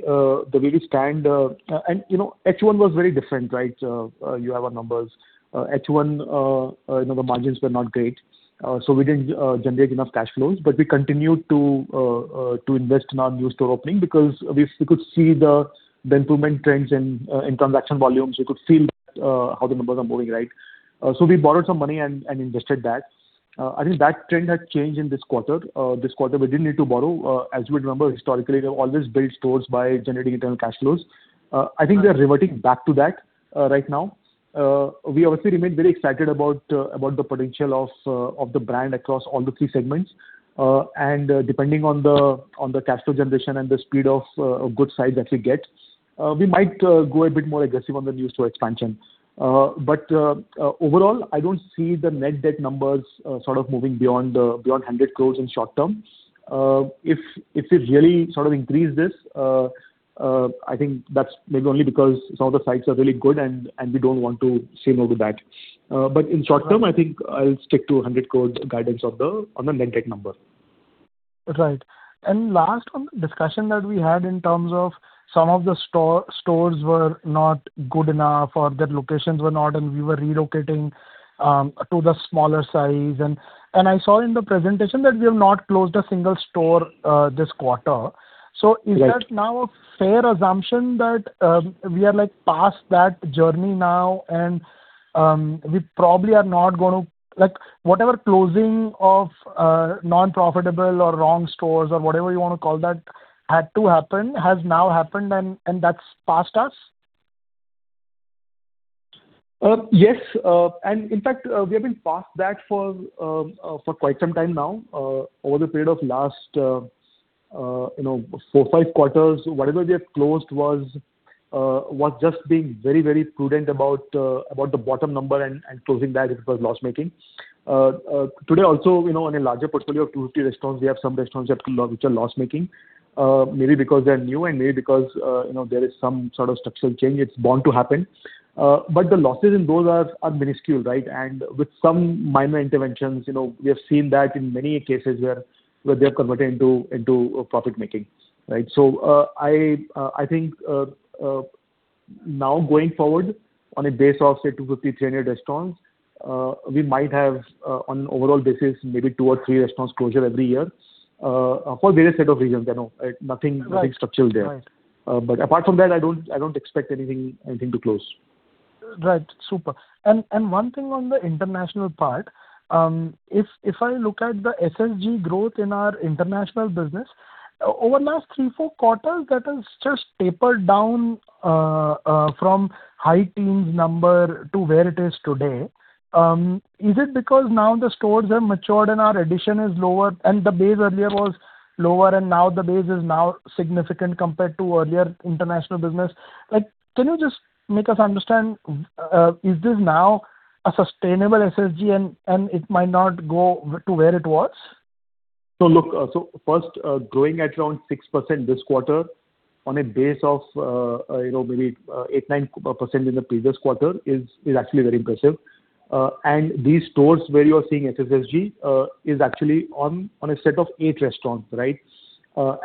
we stand. And, you know, H1 was very different, right? You have our numbers. H1, you know, the margins were not great, so we didn't generate enough cash flows, but we continued to invest in our new store opening because we could see the improvement trends in transaction volumes. We could see how the numbers are moving, right? So we borrowed some money and invested that. I think that trend has changed in this quarter. This quarter, we didn't need to borrow. As you would remember, historically, we have always built stores by generating internal cash flows. I think we are reverting back to that, right now. We obviously remain very excited about the potential of the brand across all the three segments. And depending on the cash flow generation and the speed of good site that we get, we might go a bit more aggressive on the new store expansion. But overall, I don't see the net debt numbers sort of moving beyond 100 crore in short term. If we really sort of increase this, I think that's maybe only because some of the sites are really good, and we don't want to say no to that. But in short term- Right... I think I'll stick to 100 crore guidance of the, on the net debt number. Right. And last one, discussion that we had in terms of some of the stores were not good enough or their locations were not, and we were relocating to the smaller size. And I saw in the presentation that we have not closed a single store this quarter. So- Right. Is that now a fair assumption that we are, like, past that journey now, and we probably are not going to—like, whatever closing of non-profitable or wrong stores or whatever you wanna call that had to happen, has now happened and that's past us? Yes. And in fact, we have been past that for quite some time now. Over the period of last, you know, four, five quarters, whatever we have closed was just being very, very prudent about the bottom number and closing that if it was loss-making. Today also, you know, on a larger portfolio of 250 restaurants, we have some restaurants that are loss-making, maybe because they're new and maybe because, you know, there is some sort of structural change. It's bound to happen. But the losses in those are minuscule, right? And with some minor interventions, you know, we have seen that in many cases where they're converted into profit-making, right? So, I think, now going forward, on a base of, say, 250-300 restaurants, we might have, on an overall basis, maybe two or three restaurants closure every year, for various set of reasons, you know, nothing- Right. -nothing structural there. Right. Apart from that, I don't expect anything to close. Right. Super! And, and one thing on the international part, if, if I look at the SSG growth in our international business, over the last three, four quarters, that has just tapered down, from high teens number to where it is today. Is it because now the stores are matured and our addition is lower, and the base earlier was lower and now the base is now significant compared to earlier international business? Like, can you just make us understand, is this now a sustainable SSG and, and it might not go to where it was? So look, so first, growing at around 6% this quarter on a base of, you know, maybe, 8%-9% in the previous quarter is, is actually very impressive. And these stores where you are seeing SSSG is actually on, on a set of eight restaurants, right? Right.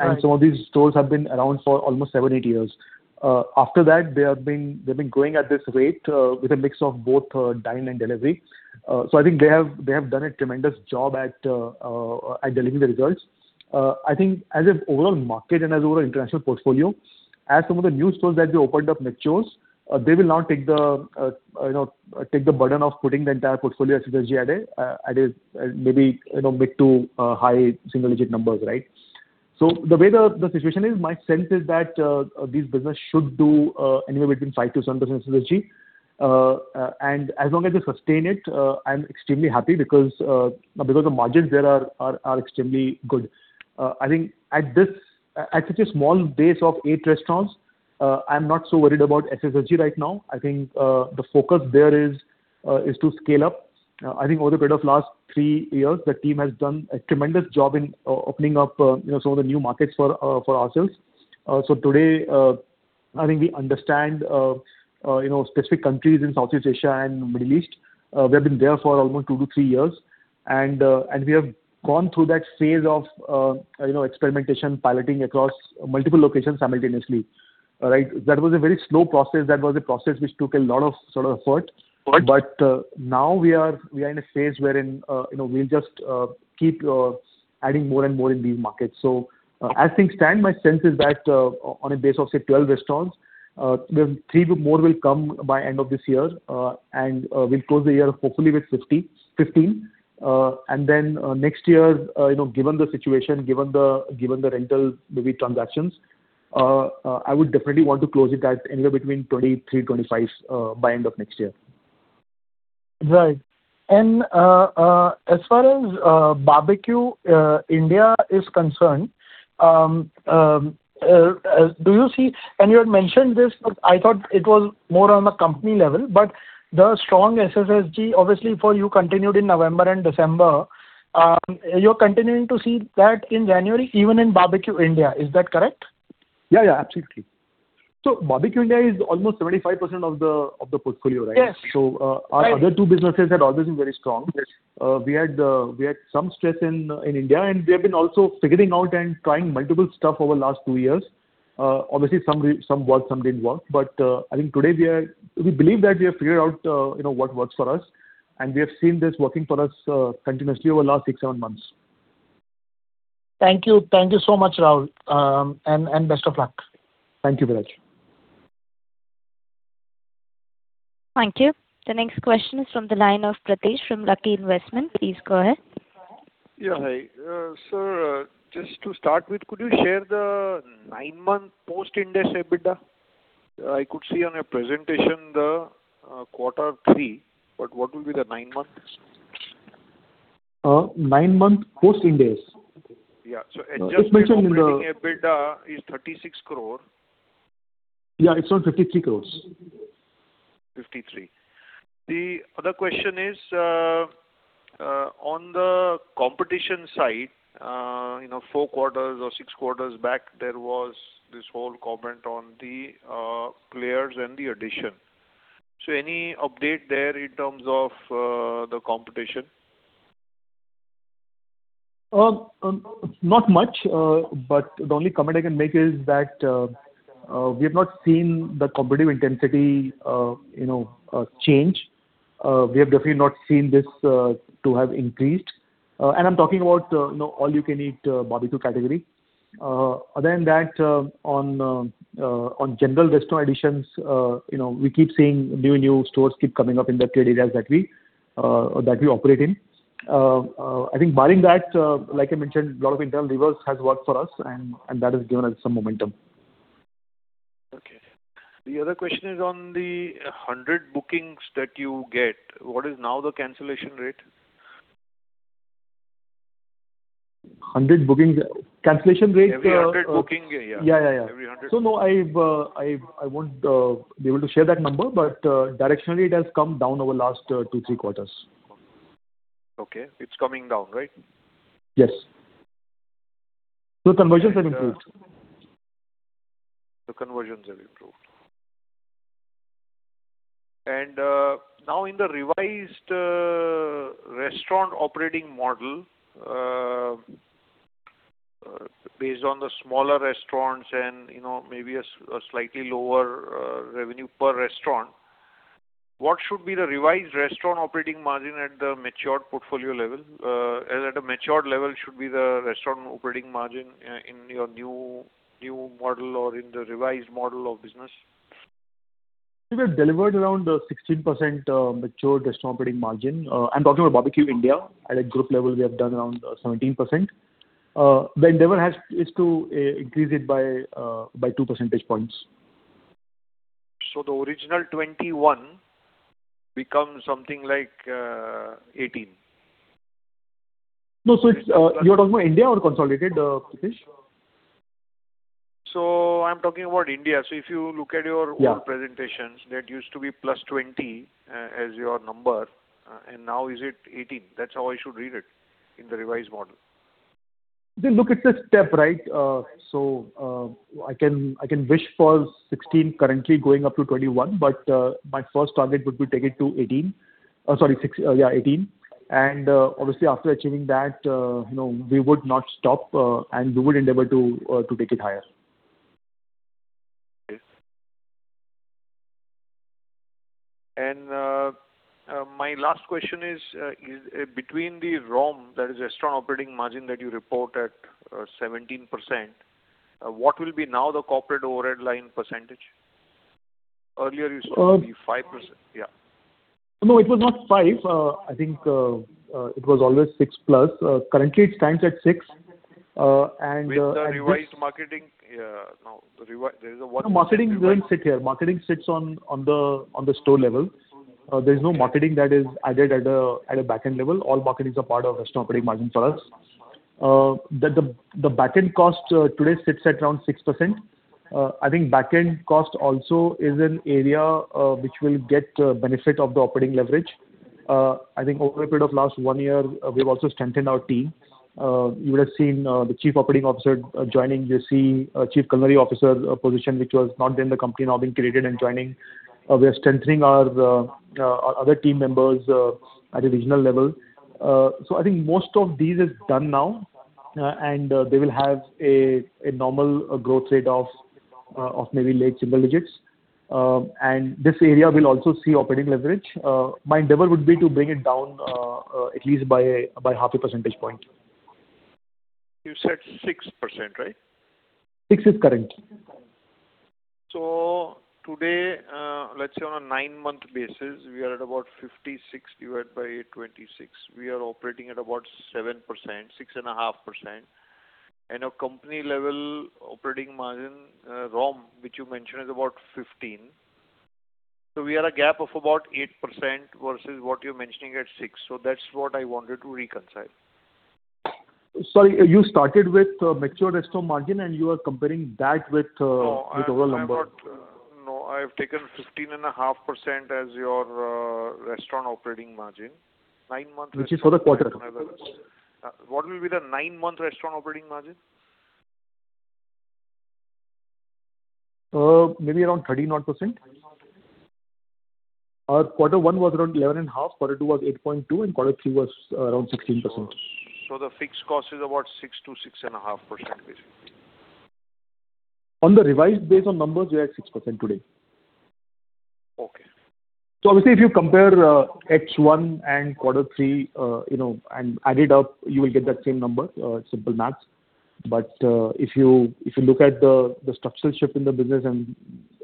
And some of these stores have been around for almost seven, eight years. After that, they've been growing at this rate, with a mix of both, dine and delivery. So I think they have, they have done a tremendous job at delivering the results. I think as an overall market and as overall international portfolio, as some of the new stores that we opened up matures, they will now take the, you know, take the burden of putting the entire portfolio SSG at a, at a, maybe, you know, mid- to high single-digit numbers, right? So the way the, the situation is, my sense is that, these business should do, anywhere between 5%-10% SSG. As long as they sustain it, I'm extremely happy because the margins there are extremely good. I think at such a small base of eight restaurants, I'm not so worried about SSSG right now. I think the focus there is to scale up. I think over the period of last three years, the team has done a tremendous job in opening up, you know, some of the new markets for ourselves. Today, I think we understand, you know, specific countries in Southeast Asia and Middle East. We have been there for almost two to three years, and we have gone through that phase of, you know, experimentation, piloting across multiple locations simultaneously. Right? That was a very slow process. That was a process which took a lot of sort of effort. Right. Now we are in a phase wherein, you know, we'll just keep adding more and more in these markets. So, as things stand, my sense is that, on a base of, say, 12 restaurants, then three more will come by end of this year, and, we'll close the year, hopefully with 15. And then, next year, you know, given the situation, given the, given the rental, maybe transactions, I would definitely want to close it at anywhere between 23-25, by end of next year. Right. As far as Barbeque India is concerned, do you see... You had mentioned this, but I thought it was more on a company level. The strong SSSG, obviously, for you continued in November and December. You're continuing to see that in January, even in Barbeque India. Is that correct? Yeah, yeah, absolutely. So Barbeque India is almost 25% of the portfolio, right? Yes. So, uh- Right. Our other two businesses had always been very strong. Yes. We had some stress in India, and we have been also figuring out and trying multiple stuff over the last two years. Obviously, some worked, some didn't work. But I think today we believe that we have figured out, you know, what works for us, and we have seen this working for us continuously over the last 6-7 months. Thank you. Thank you so much, Rahul. And best of luck. Thank you, Viraj. Thank you. The next question is from the line of Pritesh from Lucky Investment. Please go ahead. Yeah, hi. Sir, just to start with, could you share the nine-month Post-Ind AS EBITDA? I could see on your presentation the quarter three, but what will be the nine months? 9-month Post-Ind AS? Yeah. It's mentioned in the- So adjusted operating EBITDA is 36 crore. Yeah, it's on 53 crore. 53. The other question is, on the competition side, you know, four quarters or six quarters back, there was this whole comment on the players and the addition. So any update there in terms of the competition? Not much, but the only comment I can make is that, we have not seen the competitive intensity, you know, change. We have definitely not seen this to have increased. And I'm talking about, you know, all you can eat barbecue category. Other than that, on general restaurant additions, you know, we keep seeing new stores keep coming up in the trade areas that we operate in. I think barring that, like I mentioned, a lot of internal levers has worked for us, and that has given us some momentum. Okay. The other question is on the 100 bookings that you get, what is now the cancellation rate? 100 bookings— cancellation rate, Every 100 booking, yeah. Yeah, yeah, yeah. Every hundred. So no, I won't be able to share that number, but directionally, it has come down over last 2-3 quarters. Okay. It's coming down, right? Yes. So conversions have improved. The conversions have improved. Now in the revised restaurant operating model, based on the smaller restaurants and, you know, maybe a slightly lower revenue per restaurant, what should be the revised restaurant operating margin at the matured portfolio level? At a matured level should be the restaurant operating margin in your new model or in the revised model of business? We have delivered around 16%, matured restaurant operating margin. I'm talking about Barbeque India. At a group level, we have done around 17%. The endeavor is to increase it by 2 percentage points. The original 21 becomes something like 18. No, so it's you are talking about India or consolidated, Pritesh? I'm talking about India. If you look at your- Yeah... old presentations, that used to be +20 as your number, and now is it 18? That's how I should read it in the revised model. Then look, it's a step, right? So, I can wish for 16 currently going up to 21, but my first target would be take it to 18. Sorry, six, yeah, 18. And, obviously, after achieving that, you know, we would not stop, and we would endeavor to take it higher. Yes. And, my last question is, is between the ROM, that is Restaurant Operating Margin, that you report at, 17%, what will be now the corporate overhead line percentage? Earlier you said it would be 5%. Yeah. No, it was not 5%. I think, it was always 6% plus. Currently, it stands at 6%, and this- With the revised marketing, there is a- No, marketing doesn't sit here. Marketing sits on the store level. There's no marketing that is added at a back-end level. All marketing is a part of restaurant operating margin for us. The back-end cost today sits at around 6%. I think back-end cost also is an area which will get benefit of the operating leverage. I think over a period of last one year, we've also strengthened our team. You would have seen the Chief Operating Officer joining, the Chief Culinary Officer position, which was not in the company, now being created and joining. We are strengthening our other team members at a regional level. I think most of these is done now, and they will have a normal growth rate of maybe late single digits. This area will also see operating leverage. My endeavor would be to bring it down at least by half a percentage point. You said 6%, right? 6% is correct. So today, let's say on a nine-month basis, we are at about 56 divided by 26. We are operating at about 7%, 6.5%. And our company level operating margin, ROM, which you mentioned, is about 15. So we have a gap of about 8% versus what you're mentioning at 6%. So that's what I wanted to reconcile. Sorry, you started with mature restaurant margin, and you are comparing that with with overall number. No, I've taken 15.5% as your restaurant operating margin. Nine-month restaurant- Which is for the quarter. What will be the nine-month restaurant operating margin? Maybe around 13%-odd. Our quarter one was around 11.5%, quarter two was 8.2%, and quarter three was around 16%. So the fixed cost is about 6%-6.5%, basically. On the revised basis of numbers, we are at 6% today. Okay. So obviously, if you compare H1 and quarter three, you know, and add it up, you will get that same number, simple math. But if you look at the structural shift in the business and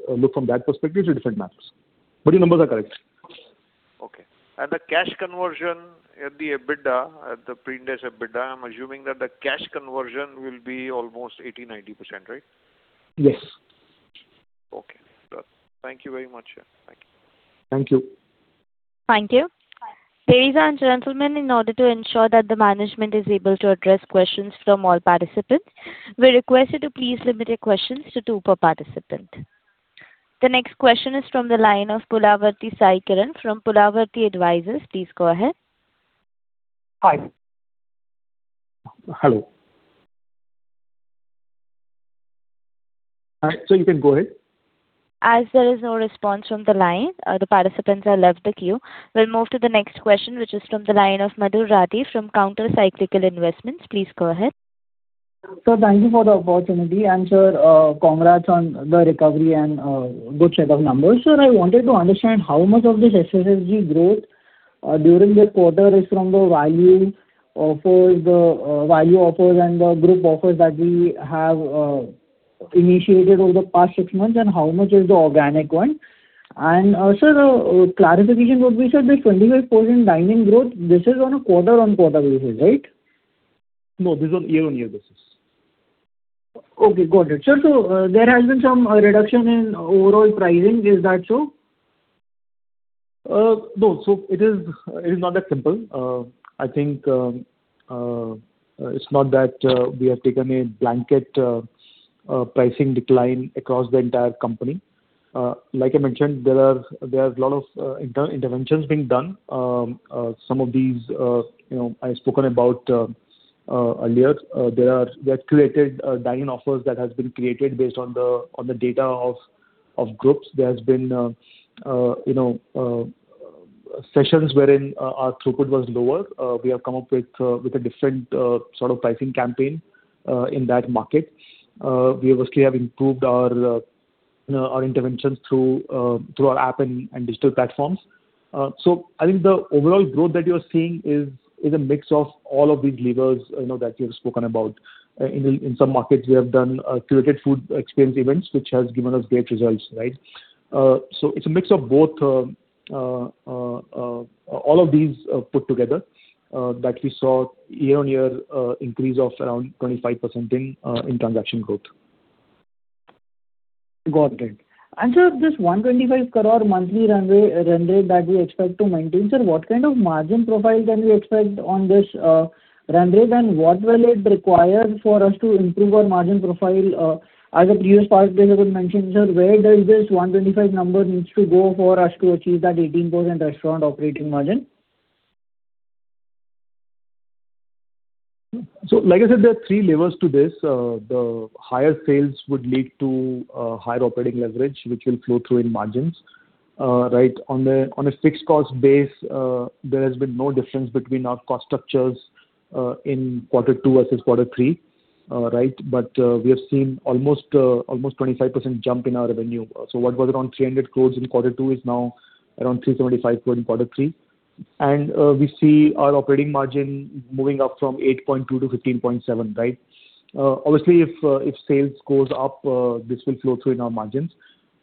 look from that perspective, it's a different math, but the numbers are correct. Okay. And the cash conversion at the EBITDA, at the pre-interest EBITDA, I'm assuming that the cash conversion will be almost 80%-90%, right? Yes. Okay. Thank you very much, yeah. Thank you. Thank you. Thank you. Ladies and gentlemen, in order to ensure that the management is able to address questions from all participants, we request you to please limit your questions to two per participant. The next question is from the line of Pulavarthi Saikiran from Pulavarthi Advisors. Please go ahead.... so you can go ahead. As there is no response from the line, the participants have left the queue. We'll move to the next question, which is from the line of Madhur Rathi from Counter Cyclical Investments. Please go ahead. Sir, thank you for the opportunity. And sir, congrats on the recovery and good set of numbers. Sir, I wanted to understand how much of this SSSG growth during this quarter is from the value offers, the value offers and the group offers that we have initiated over the past six months, and how much is the organic one? And sir, clarification would be, sir, this 25% dine-in growth, this is on a quarter-on-quarter basis, right? No, this is on year-over-year basis. Okay, got it. Sir, so, there has been some reduction in overall pricing. Is that so? No. So it is not that simple. I think it's not that we have taken a blanket pricing decline across the entire company. Like I mentioned, there are a lot of interventions being done. Some of these, you know, I had spoken about earlier. There are. We have created dine-in offers that has been created based on the data of groups. There has been, you know, sessions wherein our throughput was lower. We have come up with with a different sort of pricing campaign in that market. We obviously have improved our, you know, our interventions through our app and digital platforms. So I think the overall growth that you're seeing is a mix of all of these levers, you know, that we have spoken about. In some markets we have done curated food experience events, which has given us great results, right? So it's a mix of both all of these put together that we saw year-on-year increase of around 25% in transaction growth. Got it. And, sir, this 125 crore monthly runway, runway that we expect to maintain, sir, what kind of margin profile can we expect on this, runway? Then what will it require for us to improve our margin profile? As a previous part, they have mentioned, sir, where does this 125 number need to go for us to achieve that 18% restaurant operating margin? So, like I said, there are three levers to this. The higher sales would lead to higher operating leverage, which will flow through in margins. Right. On a fixed cost base, there has been no difference between our cost structures in quarter two versus quarter three, right? But, we have seen almost, almost 25% jump in our revenue. So what was around 300 crore in quarter two is now around 375 crore in quarter three. And, we see our operating margin moving up from 8.2-15.7, right? Obviously, if sales goes up, this will flow through in our margins.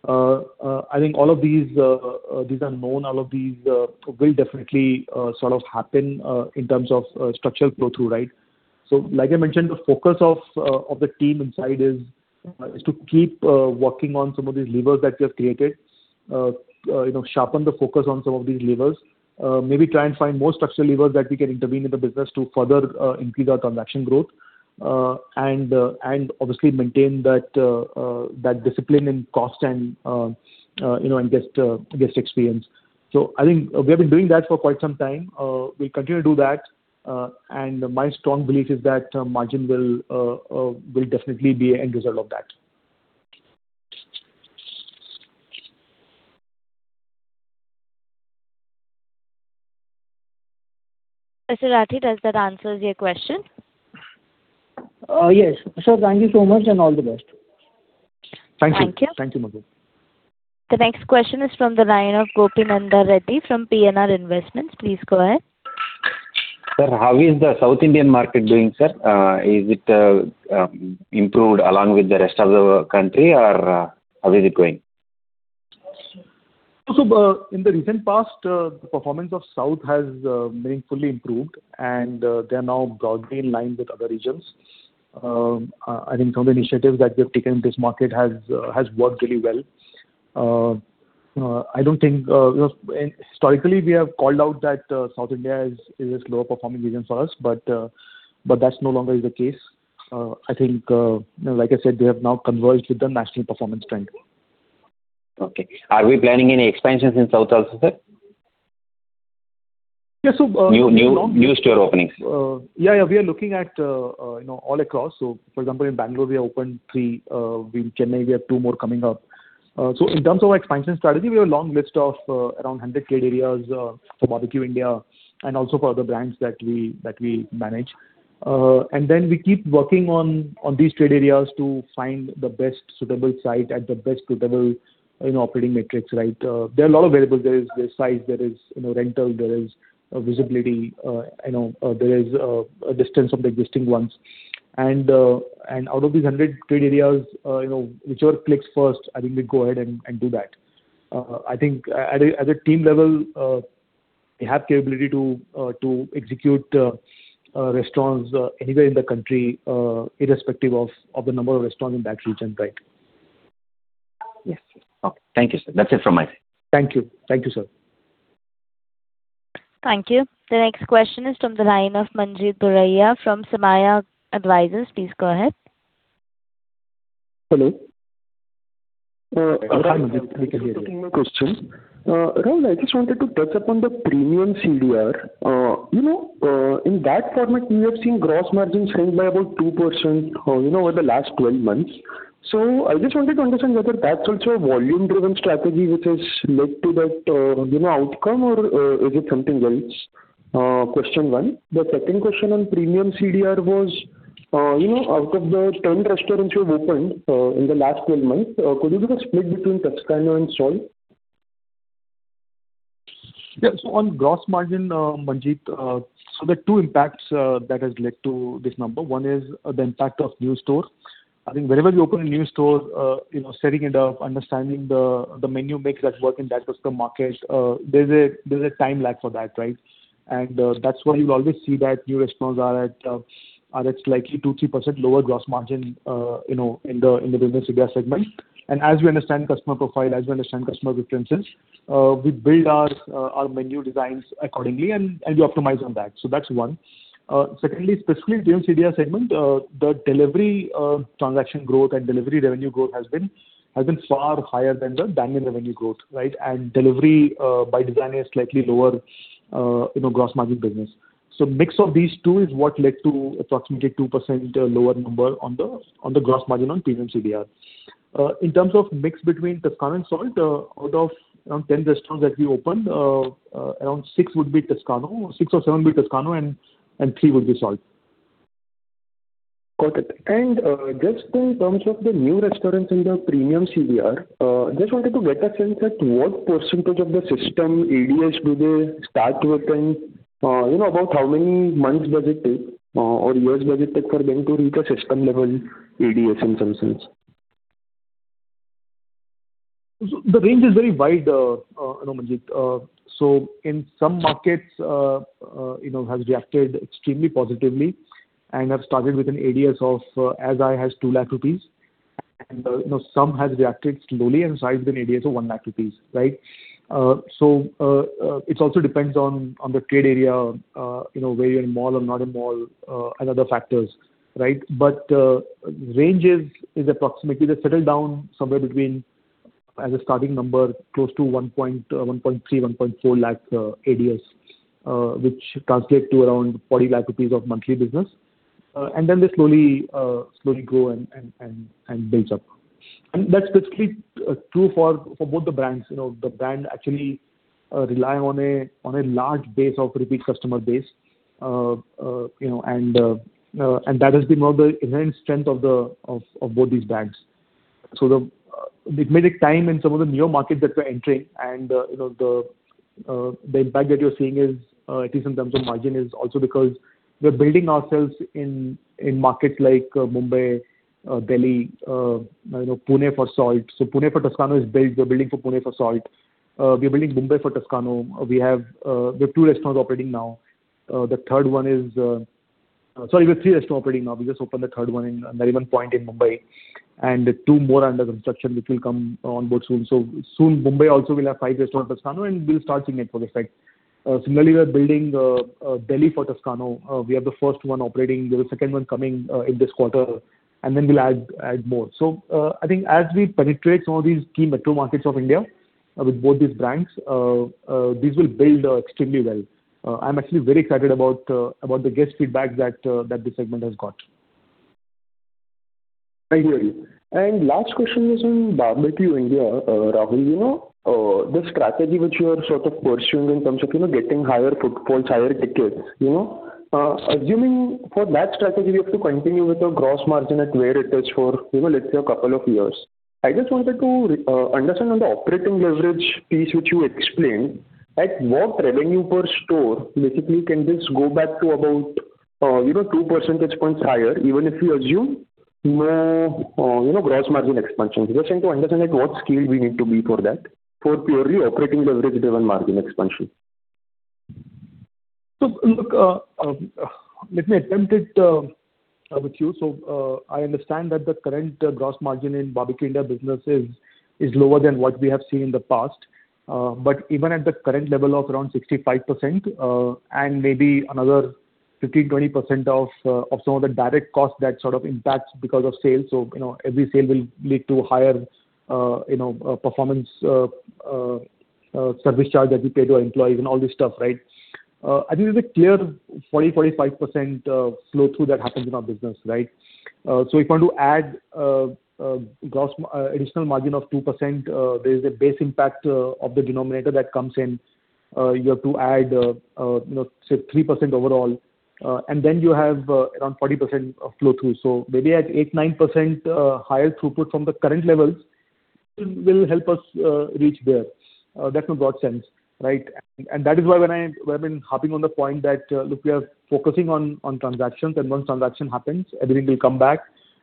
I think all of these, these are known, all of these will definitely sort of happen in terms of structural flow-through, right? So, like I mentioned, the focus of the team inside is to keep working on some of these levers that we have created. You know, sharpen the focus on some of these levers. Maybe try and find more structural levers that we can intervene in the business to further increase our transaction growth. And obviously maintain that discipline in cost and you know, and guest experience. So I think we have been doing that for quite some time. We'll continue to do that, and my strong belief is that margin will definitely be an end result of that. Mr. Rathi, does that answer your question? Yes. Sir, thank you so much, and all the best. Thank you. Thank you. Thank you, Madhur. The next question is from the line of Gopinath Reddy from PNR Investments. Please go ahead. Sir, how is the South Indian market doing, sir? Is it improved along with the rest of the country, or how is it going? So, in the recent past, the performance of South has meaningfully improved, and they are now broadly in line with other regions. I think some of the initiatives that we have taken in this market has worked really well. I don't think, you know, and historically, we have called out that South India is a lower performing region for us, but that's no longer is the case. I think, like I said, we have now converged with the national performance trend. Okay. Are we planning any expansions in South also, sir? Yes, so- New store openings. Yeah, yeah, we are looking at, you know, all across. So for example, in Bengaluru, we have opened three, in Chennai, we have two more coming up. So in terms of expansion strategy, we have a long list of, around 100 trade areas, for Barbeque Nation and also for other brands that we manage. And then we keep working on these trade areas to find the best suitable site at the best suitable, you know, operating metrics, right? There are a lot of variables. There is the size, there is, you know, rental, there is, visibility, you know, there is, a distance of the existing ones. And, and out of these 100 trade areas, you know, whichever clicks first, I think we go ahead and do that. I think at a team level, we have capability to execute restaurants anywhere in the country, irrespective of the number of restaurants in that region. Right? Yes. Okay. Thank you, sir. That's it from my side. Thank you. Thank you, sir. Thank you. The next question is from the line of Manjeet Buaria from Saamya Advisors. Please go ahead. Hello?... Rahul, I just wanted to touch upon the Premium CDR. You know, in that format, we have seen gross margins shrink by about 2%, you know, over the last 12 months. So I just wanted to understand whether that's also a volume-driven strategy which has led to that, you know, outcome, or is it something else? Question one. The second question on Premium CDR was, you know, out of the 10 restaurants you've opened, in the last 12 months, could you give a split between Toscano and Salt? Yeah. So on gross margin, Manjeet, so there are two impacts that has led to this number. One is the impact of new stores. I think wherever you open a new store, you know, setting it up, understanding the menu mix that work in that customer market, there's a time lag for that, right? And that's why you always see that new restaurants are at slightly 2%-3% lower gross margin, you know, in the business area segment. And as we understand customer profile, as we understand customer preferences, we build our menu designs accordingly, and we optimize on that. So that's one. Secondly, specifically, Premium CDR segment, the delivery transaction growth and delivery revenue growth has been, has been far higher than the dine-in revenue growth, right? And delivery, by design, is slightly lower, you know, gross margin business. So mix of these two is what led to approximately 2% lower number on the gross margin on Premium CDR. In terms of mix between Toscano and Salt, out of around 10 restaurants that we opened, around six would be Toscano, six or seven be Toscano, and three would be Salt. Got it. And, just in terms of the new restaurants in the Premium CDR, just wanted to get a sense that what percentage of the system ADS do they start with, and, you know, about how many months does it take, or years does it take for them to reach a system-level ADS, in some sense? So the range is very wide, you know, Manjeet. So in some markets, you know, has reacted extremely positively and have started with an ADS of, as high as 2 lakh rupees. And, you know, some has reacted slowly and signed an ADS of 1 lakh rupees, right? So, it also depends on, on the trade area, you know, where you're in mall or not in mall, and other factors, right? But, range is approximately they settle down somewhere between, as a starting number, close to 1.3-1.4 lakh ADS, which translate to around 40 lakh rupees of monthly business. And then they slowly grow and build up. And that's basically true for both the brands. You know, the brand actually rely on a large base of repeat customer base. You know, and that has been one of the inherent strength of the both these brands. So it may take time in some of the new markets that we're entering and, you know, the impact that you're seeing is at least in terms of margin, is also because we're building ourselves in markets like Mumbai, Delhi, you know, Pune for Salt. So Pune for Toscano is built. We're building for Pune for Salt. We are building Mumbai for Toscano. We have two restaurants operating now. The third one is... Sorry, we have three restaurants operating now. We just opened the third one in Nariman Point in Mumbai, and two more under construction, which will come on board soon. So soon, Mumbai also will have five restaurants, Toscano, and we'll start seeing it for this fact. Similarly, we're building Delhi for Toscano. We have the first one operating, the second one coming in this quarter, and then we'll add more. So, I think as we penetrate some of these key metro markets of India, with both these brands, this will build extremely well. I'm actually very excited about about the guest feedback that that this segment has got. I hear you. And last question is on Barbeque Nation. Rahul, you know, the strategy which you are sort of pursuing in terms of, you know, getting higher footfalls, higher tickets, you know, assuming for that strategy, you have to continue with the gross margin at where it is for, you know, let's say a couple of years. I just wanted to understand on the operating leverage piece, which you explained, at what revenue per store, basically, can this go back to about, you know, 2 percentage points higher, even if you assume more, you know, gross margin expansion? Just trying to understand at what scale we need to be for that, for purely operating leverage-driven margin expansion. So look, let me attempt it with you. So, I understand that the current gross margin in Barbeque Nation business is lower than what we have seen in the past. But even at the current level of around 65%, and maybe another 15%-20% of some of the direct costs, that sort of impacts because of sales. So, you know, every sale will lead to higher, you know, service charge that we pay to our employees and all this stuff, right? I think there's a clear 40%-45% flow-through that happens in our business, right? So if you want to add gross additional margin of 2%, there is a base impact of the denominator that comes in. You have to add, you know, say, 3% overall, and then you have around 40% of flow-through. So maybe at 8-9% higher throughput from the current levels will help us reach there. That's a broad sense, right? And that is why when I've been harping on the point that, look, we are focusing on transactions, and once transaction happens, everything will come back.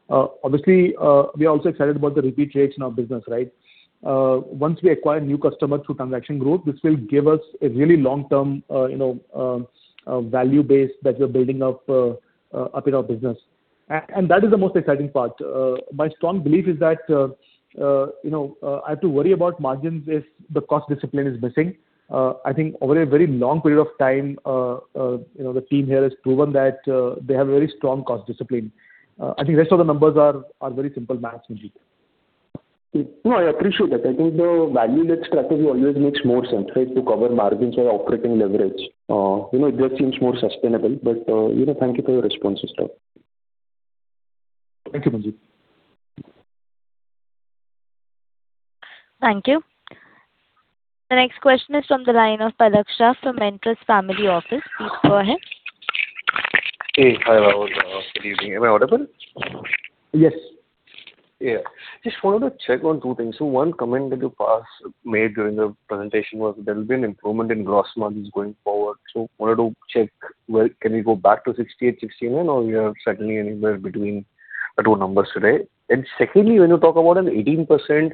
Obviously, we are also excited about the repeat rates in our business, right? Once we acquire new customers through transaction growth, this will give us a really long-term, you know, value base that we are building up in our business. And that is the most exciting part. My strong belief is that, you know, I have to worry about margins if the cost discipline is missing. I think over a very long period of time, you know, the team here has proven that they have very strong cost discipline. I think the rest of the numbers are very simple maths, Manjeet.... No, I appreciate that. I think the value-led strategy always makes more sense, right, to cover margins or operating leverage. You know, it just seems more sustainable, but, you know, thank you for your response. Thank you, Manjeet. Thank you. The next question is from the line of Palak Shah from Mentis Family Office. Please go ahead. Hey. Hi, Rahul. Good evening. Am I audible? Yes. Yeah. Just wanted to check on two things. So one comment that you made during the presentation was there will be an improvement in gross margins going forward. So wanted to check, well, can you go back to 68, [16], or you are settling anywhere between the two numbers today? And secondly, when you talk about an 18%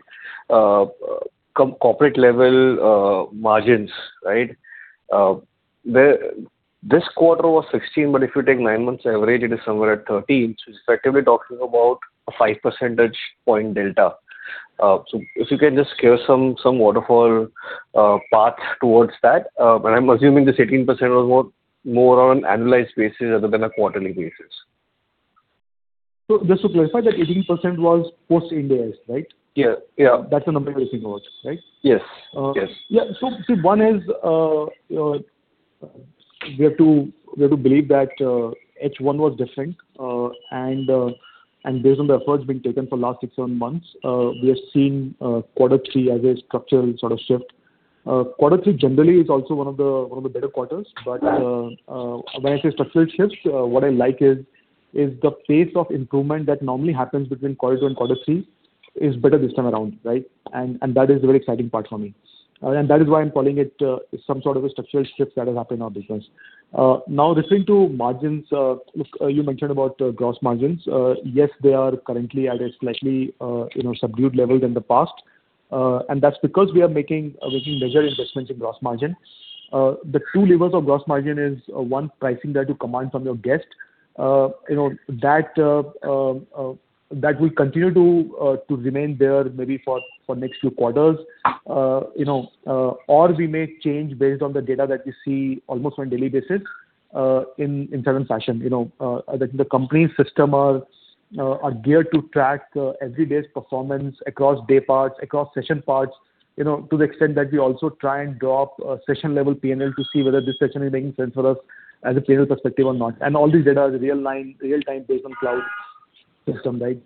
corporate level margins, right, the, this quarter was 16%, but if you take nine months average, it is somewhere at 13%. So it's effectively talking about a 5 percentage point delta. So if you can just give some waterfall path towards that. But I'm assuming this 18% was more on an annualized basis rather than a quarterly basis. So just to clarify, that 18% was Post-Ind AS, right? Yeah. Yeah. That's the number you're basing on, right? Yes. Yes. Yeah, so see, one is we have to believe that H1 was different, and based on the efforts being taken for the last six, seven months, we have seen quarter three as a structural sort of shift. Quarter three generally is also one of the better quarters. But when I say structural shifts, what I like is the pace of improvement that normally happens between quarter two and quarter three is better this time around, right? And that is the very exciting part for me. And that is why I'm calling it some sort of a structural shift that has happened in our business. Now, listening to margins, look, you mentioned about gross margins. Yes, they are currently at a slightly, you know, subdued level than the past, and that's because we are making major investments in gross margin. The two levers of gross margin is one, pricing that you command from your guest. You know, that will continue to remain there maybe for next few quarters. You know, or we may change based on the data that we see almost on a daily basis, in certain fashion. You know, the company's system are geared to track every day's performance across day parts, across session parts, you know, to the extent that we also try and draw up a session-level P&L to see whether this session is making sense for us as a P&L perspective or not. And all these data is real-time, real-time based on cloud system, right?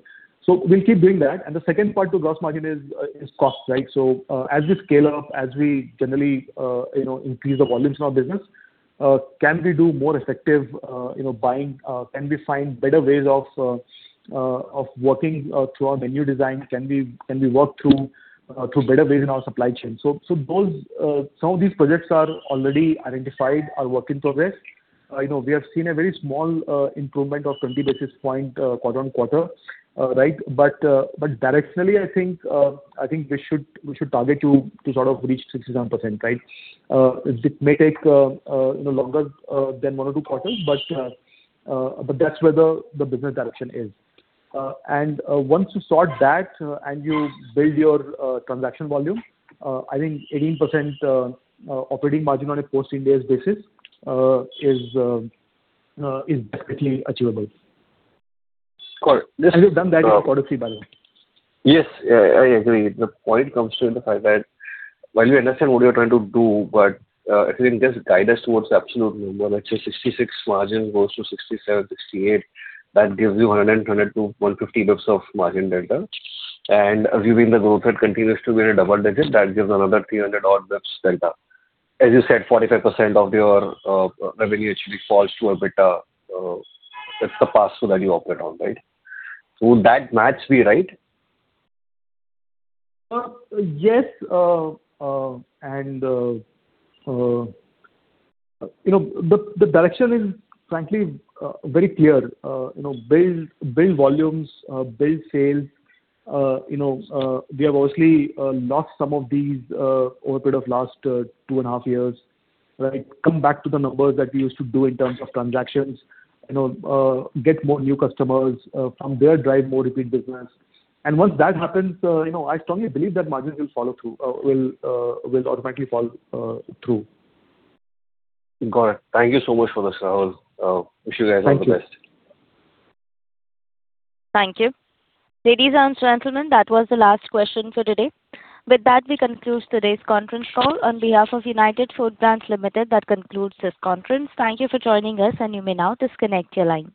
So we'll keep doing that. The second part to gross margin is cost, right? So, as we scale up, as we generally, you know, increase the volumes in our business, can we do more effective, you know, buying? Can we find better ways of working through our menu design? Can we work through better ways in our supply chain? So those, some of these projects are already identified, are work in progress. You know, we have seen a very small improvement of 20 basis points quarter-on-quarter, right? But directionally, I think we should target to sort of reach 67%, right? It may take, you know, longer than one or two quarters, but that's where the business direction is. And, once you sort that, and you build your transaction volume, I think 18% operating margin on a Post-Ind AS basis is definitely achievable. Got it. We've done that in quarter three, by the way. Yes. Yeah, I agree. The point comes to the fact that while we understand what you're trying to do, but, I think just guide us towards the absolute number, like say 66 margin goes to 67, 68, that gives you 100, 100-150 bps of margin delta. And assuming the growth rate continues to be in a double-digit, that gives another 300-odd bps delta. As you said, 45% of your, revenue actually falls to EBITDA. That's the past, so that you operate on, right? So would that match be right? Yes. And, you know, the direction is frankly, very clear. You know, build, build volumes, build sales. You know, we have obviously lost some of these over a period of last 2.5 years, right? Come back to the numbers that we used to do in terms of transactions. You know, get more new customers, from there, drive more repeat business. And once that happens, you know, I strongly believe that margins will follow through, will automatically fall through. Got it. Thank you so much for this, Rahul. Wish you guys all the best. Thank you. Thank you. Ladies and gentlemen, that was the last question for today. With that, we conclude today's conference call. On behalf of United Foodbrands Limited, that concludes this conference. Thank you for joining us, and you may now disconnect your line.